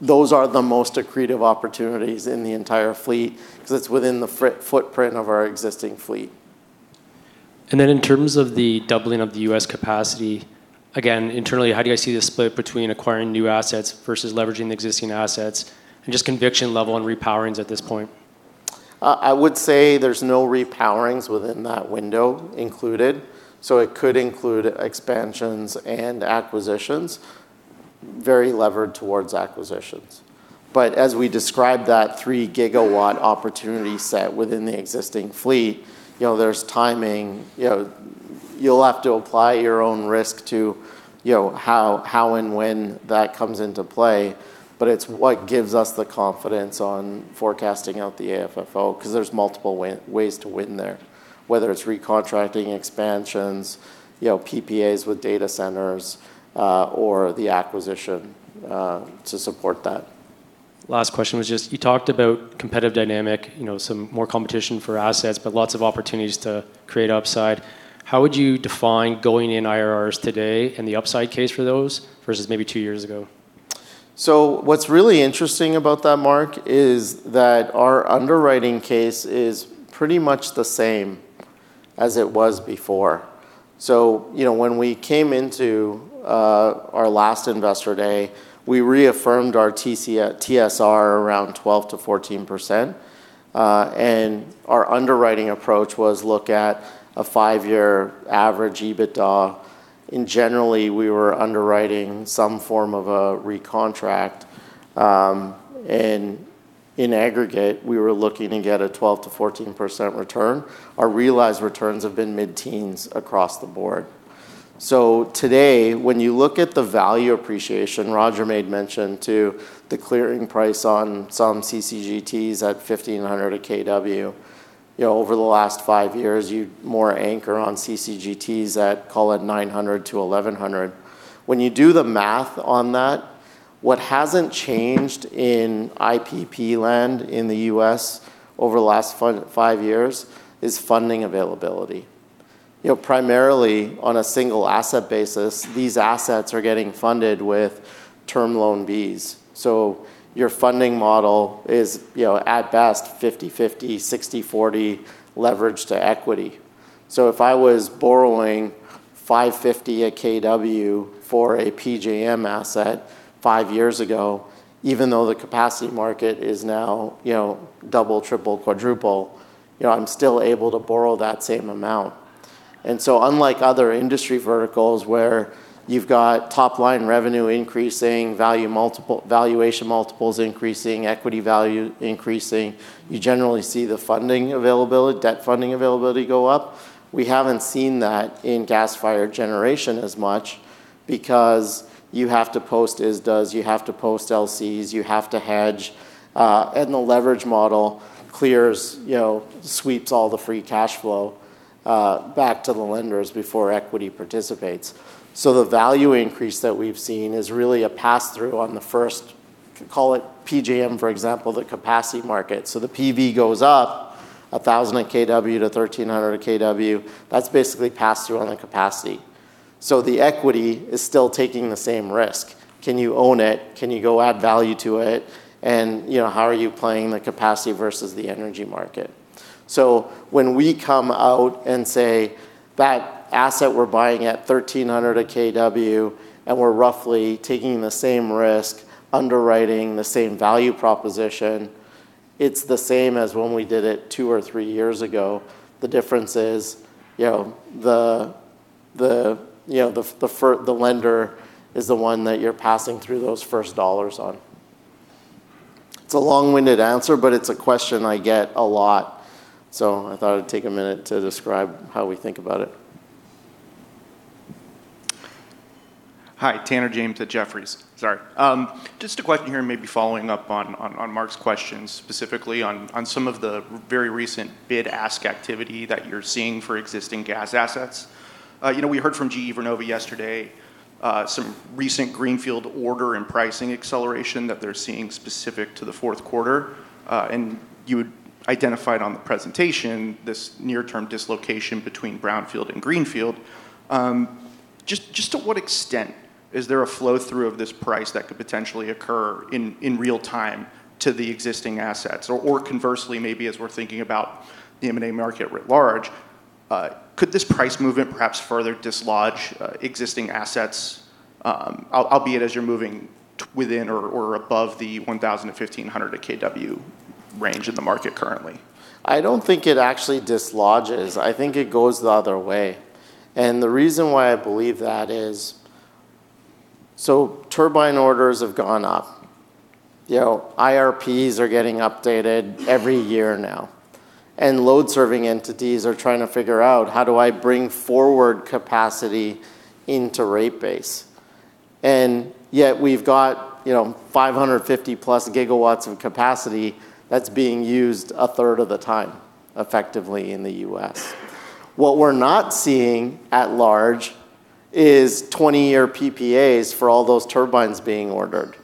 those are the most accretive opportunities in the entire fleet because it's within the footprint of our existing fleet. And then in terms of the doubling of the U.S. capacity, again, internally, how do you guys see the split between acquiring new assets versus leveraging the existing assets and just conviction level and repowerings at this point? I would say there's no repowerings within that window included. So it could include expansions and acquisitions, very levered towards acquisitions. But as we described that 3 GW opportunity set within the existing fleet, there's timing. You'll have to apply your own risk to how and when that comes into play. But it's what gives us the confidence on forecasting out the AFFO because there's multiple ways to win there, whether it's recontracting, expansions, PPAs with data centers, or the acquisition to support that. Last question was just you talked about competitive dynamic, some more competition for assets, but lots of opportunities to create upside. How would you define going in IRRs today and the upside case for those versus maybe two years ago? So what's really interesting about that, Mark, is that our underwriting case is pretty much the same as it was before. So when we came into our last Investor Day, we reaffirmed our TSR around 12%-14%. And our underwriting approach was look at a five-year average EBITDA. And generally, we were underwriting some form of a recontract. And in aggregate, we were looking to get a 12%-14% return. Our realized returns have been mid-teens across the board. So today, when you look at the value appreciation, Roger made mention to the clearing price on some CCGTs at 1,500 a kW. Over the last five years, you more anchor on CCGTs at, call it 900-1,100. When you do the math on that, what hasn't changed in IPP land in the U.S. over the last five years is funding availability. Primarily on a single asset basis, these assets are getting funded with Term Loan Bs. So your funding model is at best 50/50, 60/40 leverage to equity. So if I was borrowing 550/kW for a PJM asset five years ago, even though the capacity market is now double, triple, quadruple, I'm still able to borrow that same amount. And so unlike other industry verticals where you've got top-line revenue increasing, valuation multiples increasing, equity value increasing, you generally see the debt funding availability go up. We haven't seen that in gas-fired generation as much because you have to post ISDAs, you have to post LCs, you have to hedge. And the leverage model sweeps all the free cash flow back to the lenders before equity participates. So the value increase that we've seen is really a pass-through on the first, call it PJM, for example, the capacity market. So the PV goes up 1,000 a kW to 1,300 a kW. That's basically pass-through on the capacity. So the equity is still taking the same risk. Can you own it? Can you go add value to it? And how are you playing the capacity versus the energy market? So when we come out and say, "That asset we're buying at 1,300 a kW," and we're roughly taking the same risk, underwriting the same value proposition, it's the same as when we did it two or three years ago. The difference is the lender is the one that you're passing through those first dollars on. It's a long-winded answer, but it's a question I get a lot. So I thought I'd take a minute to describe how we think about it. Hi, Tanner James at Jefferies. Sorry. Just a question here, maybe following up on Mark's question, specifically on some of the very recent bid-ask activity that you're seeing for existing gas assets. We heard from GE Vernova yesterday some recent Greenfield order and pricing acceleration that they're seeing specific to the fourth quarter. And you identified on the presentation this near-term dislocation between brownfield and greenfield. Just to what extent is there a flow-through of this price that could potentially occur in real time to the existing assets? Or conversely, maybe as we're thinking about the M&A market at large, could this price movement perhaps further dislodge existing assets, albeit as you're moving within or above the 1,000-1,500 a kW range in the market currently? I don't think it actually dislodges. I think it goes the other way. And the reason why I believe that is so turbine orders have gone up. IRPs are getting updated every year now. And load-serving entities are trying to figure out, "How do I bring forward capacity into rate base?" And yet we've got 550+ GW of capacity that's being used a third of the time effectively in the U.S. What we're not seeing at large is 20-year PPAs for all those turbines being ordered.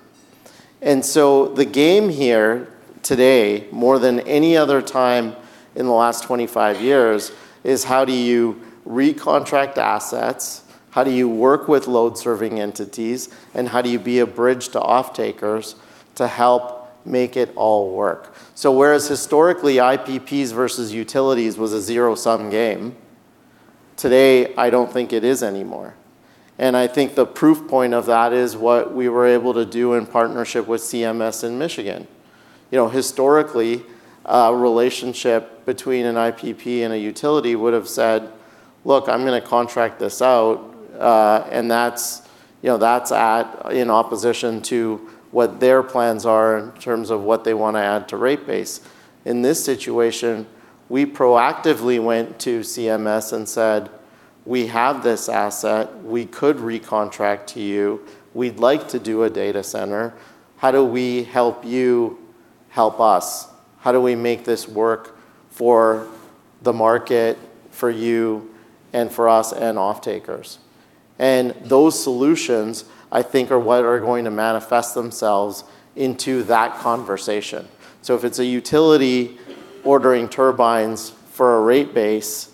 And so the game here today, more than any other time in the last 25 years, is how do you recontract assets, how do you work with load-serving entities, and how do you be a bridge to off-takers to help make it all work? So whereas historically IPPs versus utilities was a zero-sum game, today I don't think it is anymore. And I think the proof point of that is what we were able to do in partnership with CMS in Michigan. Historically, a relationship between an IPP and a utility would have said, "Look, I'm going to contract this out," and that's acting in opposition to what their plans are in terms of what they want to add to rate base. In this situation, we proactively went to CMS and said, "We have this asset. We could recontract to you. We'd like to do a data center. How do we help you help us? How do we make this work for the market, for you, and for us and off-takers?", and those solutions, I think, are what are going to manifest themselves into that conversation, so if it's a utility ordering turbines for a rate base,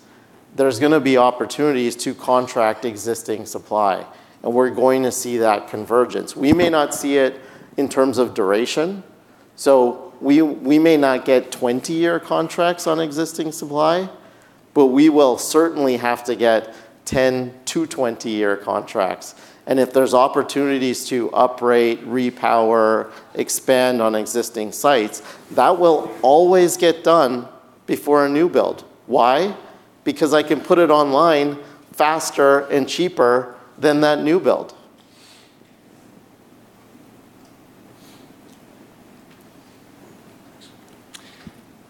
there's going to be opportunities to contract existing supply, and we're going to see that convergence. We may not see it in terms of duration, so we may not get 20-year contracts on existing supply, but we will certainly have to get 10-20-year contracts, and if there's opportunities to uprate, repower, expand on existing sites, that will always get done before a new build. Why? Because I can put it online faster and cheaper than that new build.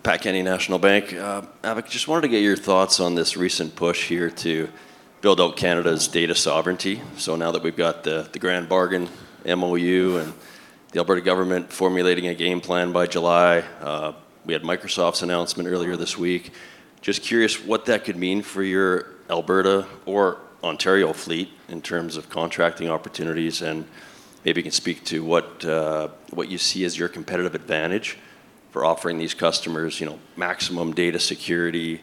Patrick Kenny, National Bank. Avik, just wanted to get your thoughts on this recent push here to build out Canada's data sovereignty. So now that we've got the grand bargain MOU and the Alberta government formulating a game plan by July, we had Microsoft's announcement earlier this week. Just curious what that could mean for your Alberta or Ontario fleet in terms of contracting opportunities and maybe can speak to what you see as your competitive advantage for offering these customers maximum data security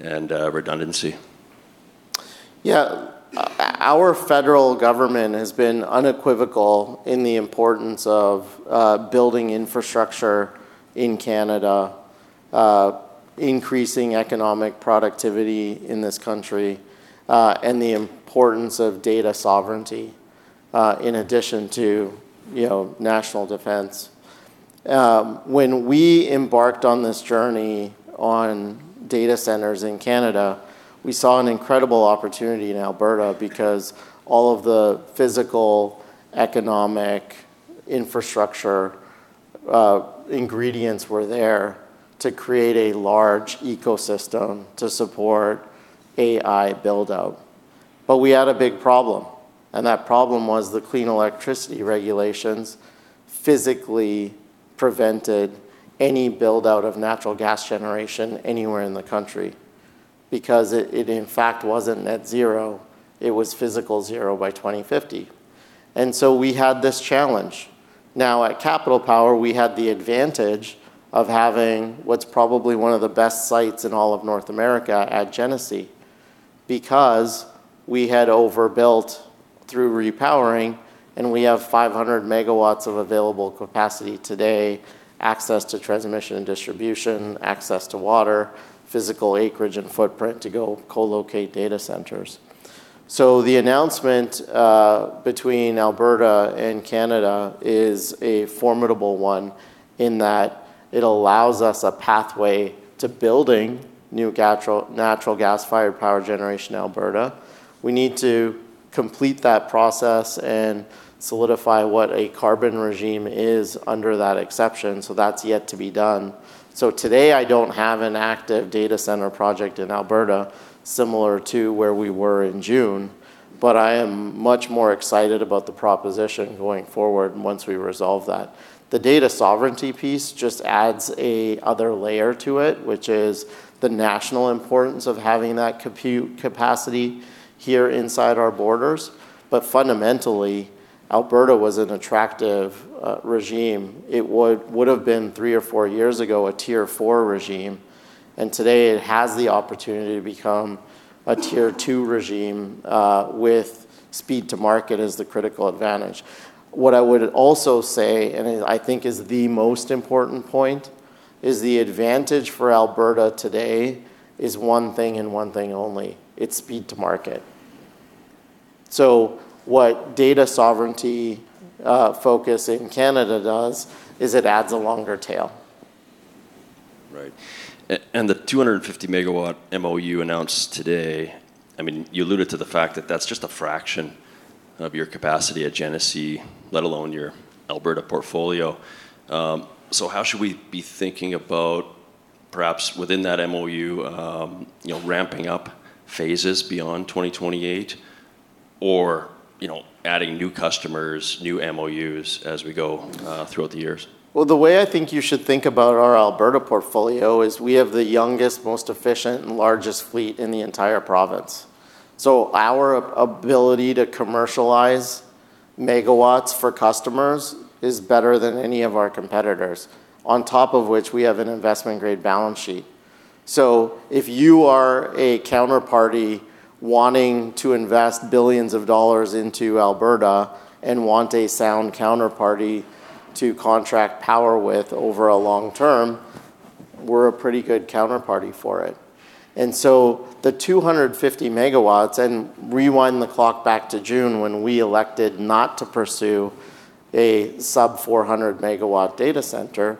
and redundancy. Yeah. Our federal government has been unequivocal in the importance of building infrastructure in Canada, increasing economic productivity in this country, and the importance of data sovereignty in addition to national defense. When we embarked on this journey on data centers in Canada, we saw an incredible opportunity in Alberta because all of the physical, economic, infrastructure ingredients were there to create a large ecosystem to support AI build-out. But we had a big problem. And that problem was the Clean Electricity Regulations physically prevented any build-out of natural gas generation anywhere in the country because it, in fact, wasn't net zero. It was physical zero by 2050. And so we had this challenge. Now, at Capital Power, we had the advantage of having what's probably one of the best sites in all of North America at Genesee because we had overbuilt through repowering, and we have 500 MW of available capacity today, access to transmission and distribution, access to water, physical acreage, and footprint to go co-locate data centers. So the announcement between Alberta and Canada is a formidable one in that it allows us a pathway to building new natural gas-fired power generation in Alberta. We need to complete that process and solidify what a carbon regime is under that exception. So that's yet to be done. So today, I don't have an active data center project in Alberta similar to where we were in June, but I am much more excited about the proposition going forward once we resolve that. The data sovereignty piece just adds another layer to it, which is the national importance of having that capacity here inside our borders. But fundamentally, Alberta was an attractive regime. It would have been three or four years ago a Tier 4 regime. And today, it has the opportunity to become a Tier 2 regime with speed to market as the critical advantage. What I would also say, and I think is the most important point, is the advantage for Alberta today is one thing and one thing only. It's speed to market. So what data sovereignty focus in Canada does is it adds a longer tail. Right. And the 250 MW MOU announced today, I mean, you alluded to the fact that that's just a fraction of your capacity at Genesee, let alone your Alberta portfolio. So how should we be thinking about perhaps within that MOU ramping up phases beyond 2028 or adding new customers, new MOUs as we go throughout the years? Well, the way I think you should think about our Alberta portfolio is we have the youngest, most efficient, and largest fleet in the entire province. So our ability to commercialize megawatts for customers is better than any of our competitors, on top of which we have an investment-grade balance sheet. So if you are a counterparty wanting to invest billions of dollars into Alberta and want a sound counterparty to contract power with over a long term, we're a pretty good counterparty for it. And so the 250 MW, and rewind the clock back to June when we elected not to pursue a sub-400 MW data center,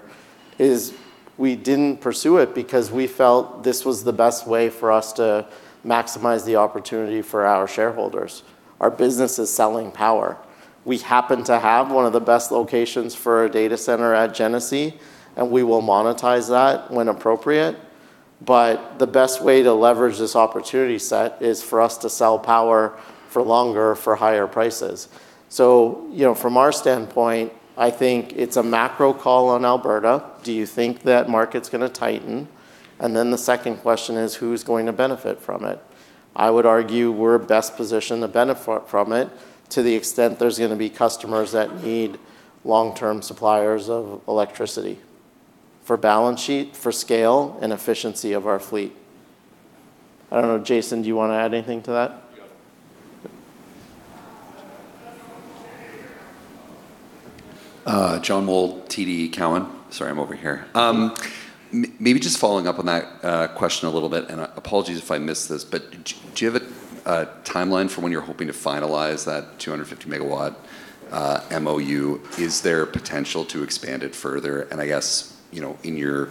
is we didn't pursue it because we felt this was the best way for us to maximize the opportunity for our shareholders. Our business is selling power. We happen to have one of the best locations for a data center at Genesee, and we will monetize that when appropriate. But the best way to leverage this opportunity set is for us to sell power for longer for higher prices. So from our standpoint, I think it's a macro call on Alberta. Do you think that market's going to tighten? And then the second question is, who's going to benefit from it? I would argue we're best positioned to benefit from it to the extent there's going to be customers that need long-term suppliers of electricity for balance sheet, for scale, and efficiency of our fleet. I don't know, Jason. Do you want to add anything to that? John Mould, TD Cowen. Sorry, I'm over here. Maybe just following up on that question a little bit, and apologies if I missed this, but do you have a timeline for when you're hoping to finalize that 250 MW MOU? Is there potential to expand it further? And I guess in your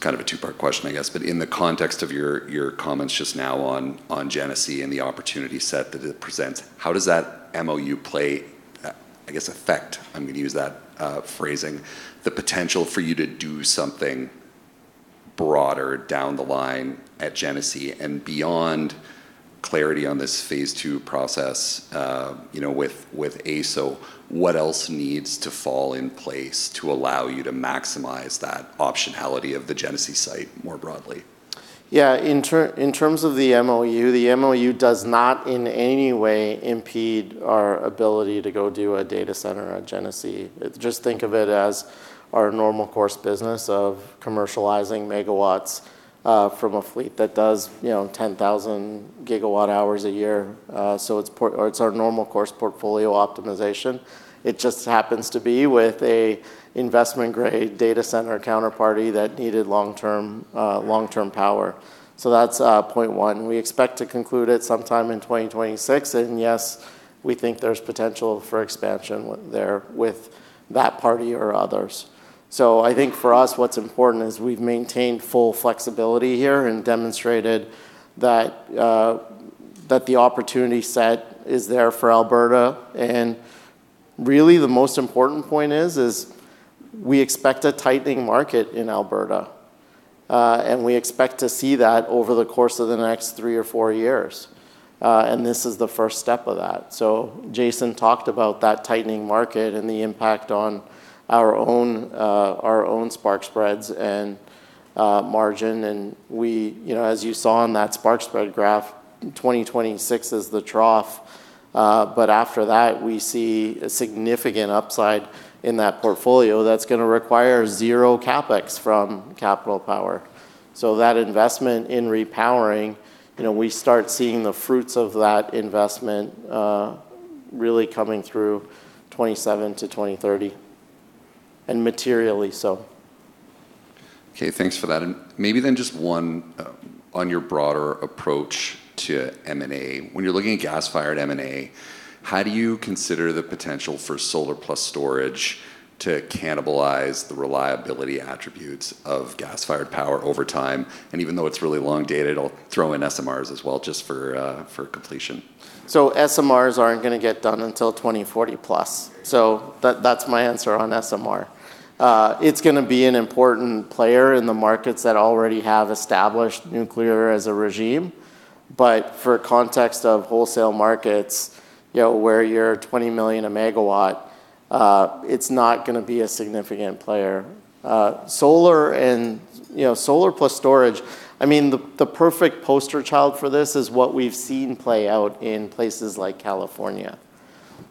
kind of a two-part question, I guess, but in the context of your comments just now on Genesee and the opportunity set that it presents, how does that MOU play, I guess, affect, I'm going to use that phrasing, the potential for you to do something broader down the line at Genesee and beyond clarity on this phase two process with AESO? What else needs to fall in place to allow you to maximize that optionality of the Genesee site more broadly? Yeah. In terms of the MOU, the MOU does not in any way impede our ability to go do a data center at Genesee. Just think of it as our normal course business of commercializing megawatts from a fleet that does 10,000 GWh a year. So it's our normal course portfolio optimization. It just happens to be with an investment-grade data center counterparty that needed long-term power. So that's point one. We expect to conclude it sometime in 2026. And yes, we think there's potential for expansion there with that party or others. So I think for us, what's important is we've maintained full flexibility here and demonstrated that the opportunity set is there for Alberta. And really, the most important point is we expect a tightening market in Alberta, and we expect to see that over the course of the next three or four years. And this is the first step of that. So Jason talked about that tightening market and the impact on our own spark spreads and margin. And as you saw on that spark spread graph, 2026 is the trough. But after that, we see a significant upside in that portfolio that's going to require zero CapEx from Capital Power. So that investment in repowering, we start seeing the fruits of that investment really coming through 2027-2030 and materially so. Okay. Thanks for that. And maybe then just one on your broader approach to M&A. When you're looking at gas-fired M&A, how do you consider the potential for solar-plus-storage to cannibalize the reliability attributes of gas-fired power over time? And even though it's really long-dated, I'll throw in SMRs as well just for completion. So SMRs aren't going to get done until 2040+. So that's my answer on SMR. It's going to be an important player in the markets that already have established nuclear as a regime. But for context of wholesale markets where you're 20 million a megawatt, it's not going to be a significant player. Solar and solar-plus-storage, I mean, the perfect poster child for this is what we've seen play out in places like California.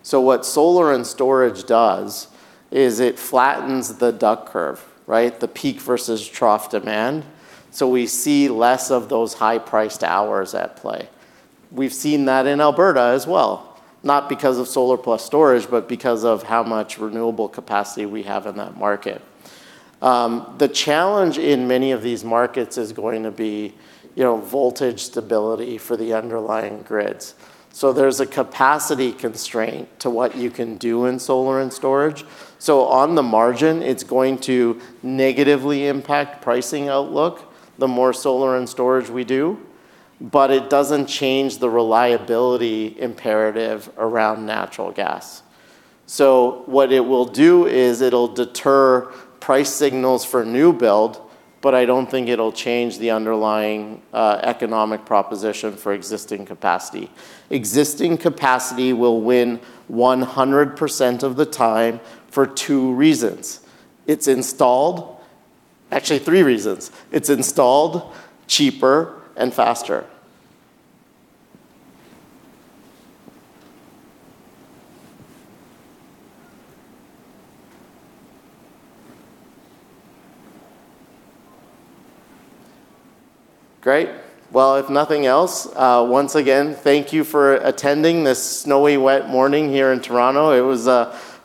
So what solar and storage does is it flattens the duck curve, right? The peak versus trough demand. So we see less of those high-priced hours at play. We've seen that in Alberta as well, not because of solar-plus-storage, but because of how much renewable capacity we have in that market. The challenge in many of these markets is going to be voltage stability for the underlying grids. So there's a capacity constraint to what you can do in solar and storage. So on the margin, it's going to negatively impact pricing outlook the more solar and storage we do, but it doesn't change the reliability imperative around natural gas. So what it will do is it'll deter price signals for new build, but I don't think it'll change the underlying economic proposition for existing capacity. Existing capacity will win 100% of the time for two reasons. It's installed, actually, three reasons. It's installed cheaper and faster. Great. Well, if nothing else, once again, thank you for attending this snowy, wet morning here in Toronto. It was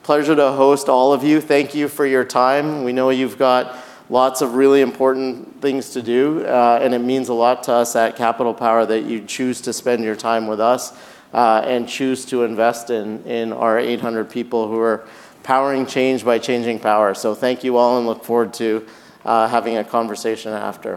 a pleasure to host all of you. Thank you for your time. We know you've got lots of really important things to do, and it means a lot to us at Capital Power that you choose to spend your time with us and choose to invest in our 800 people who are powering change by changing power. So thank you all, and look forward to having a conversation after.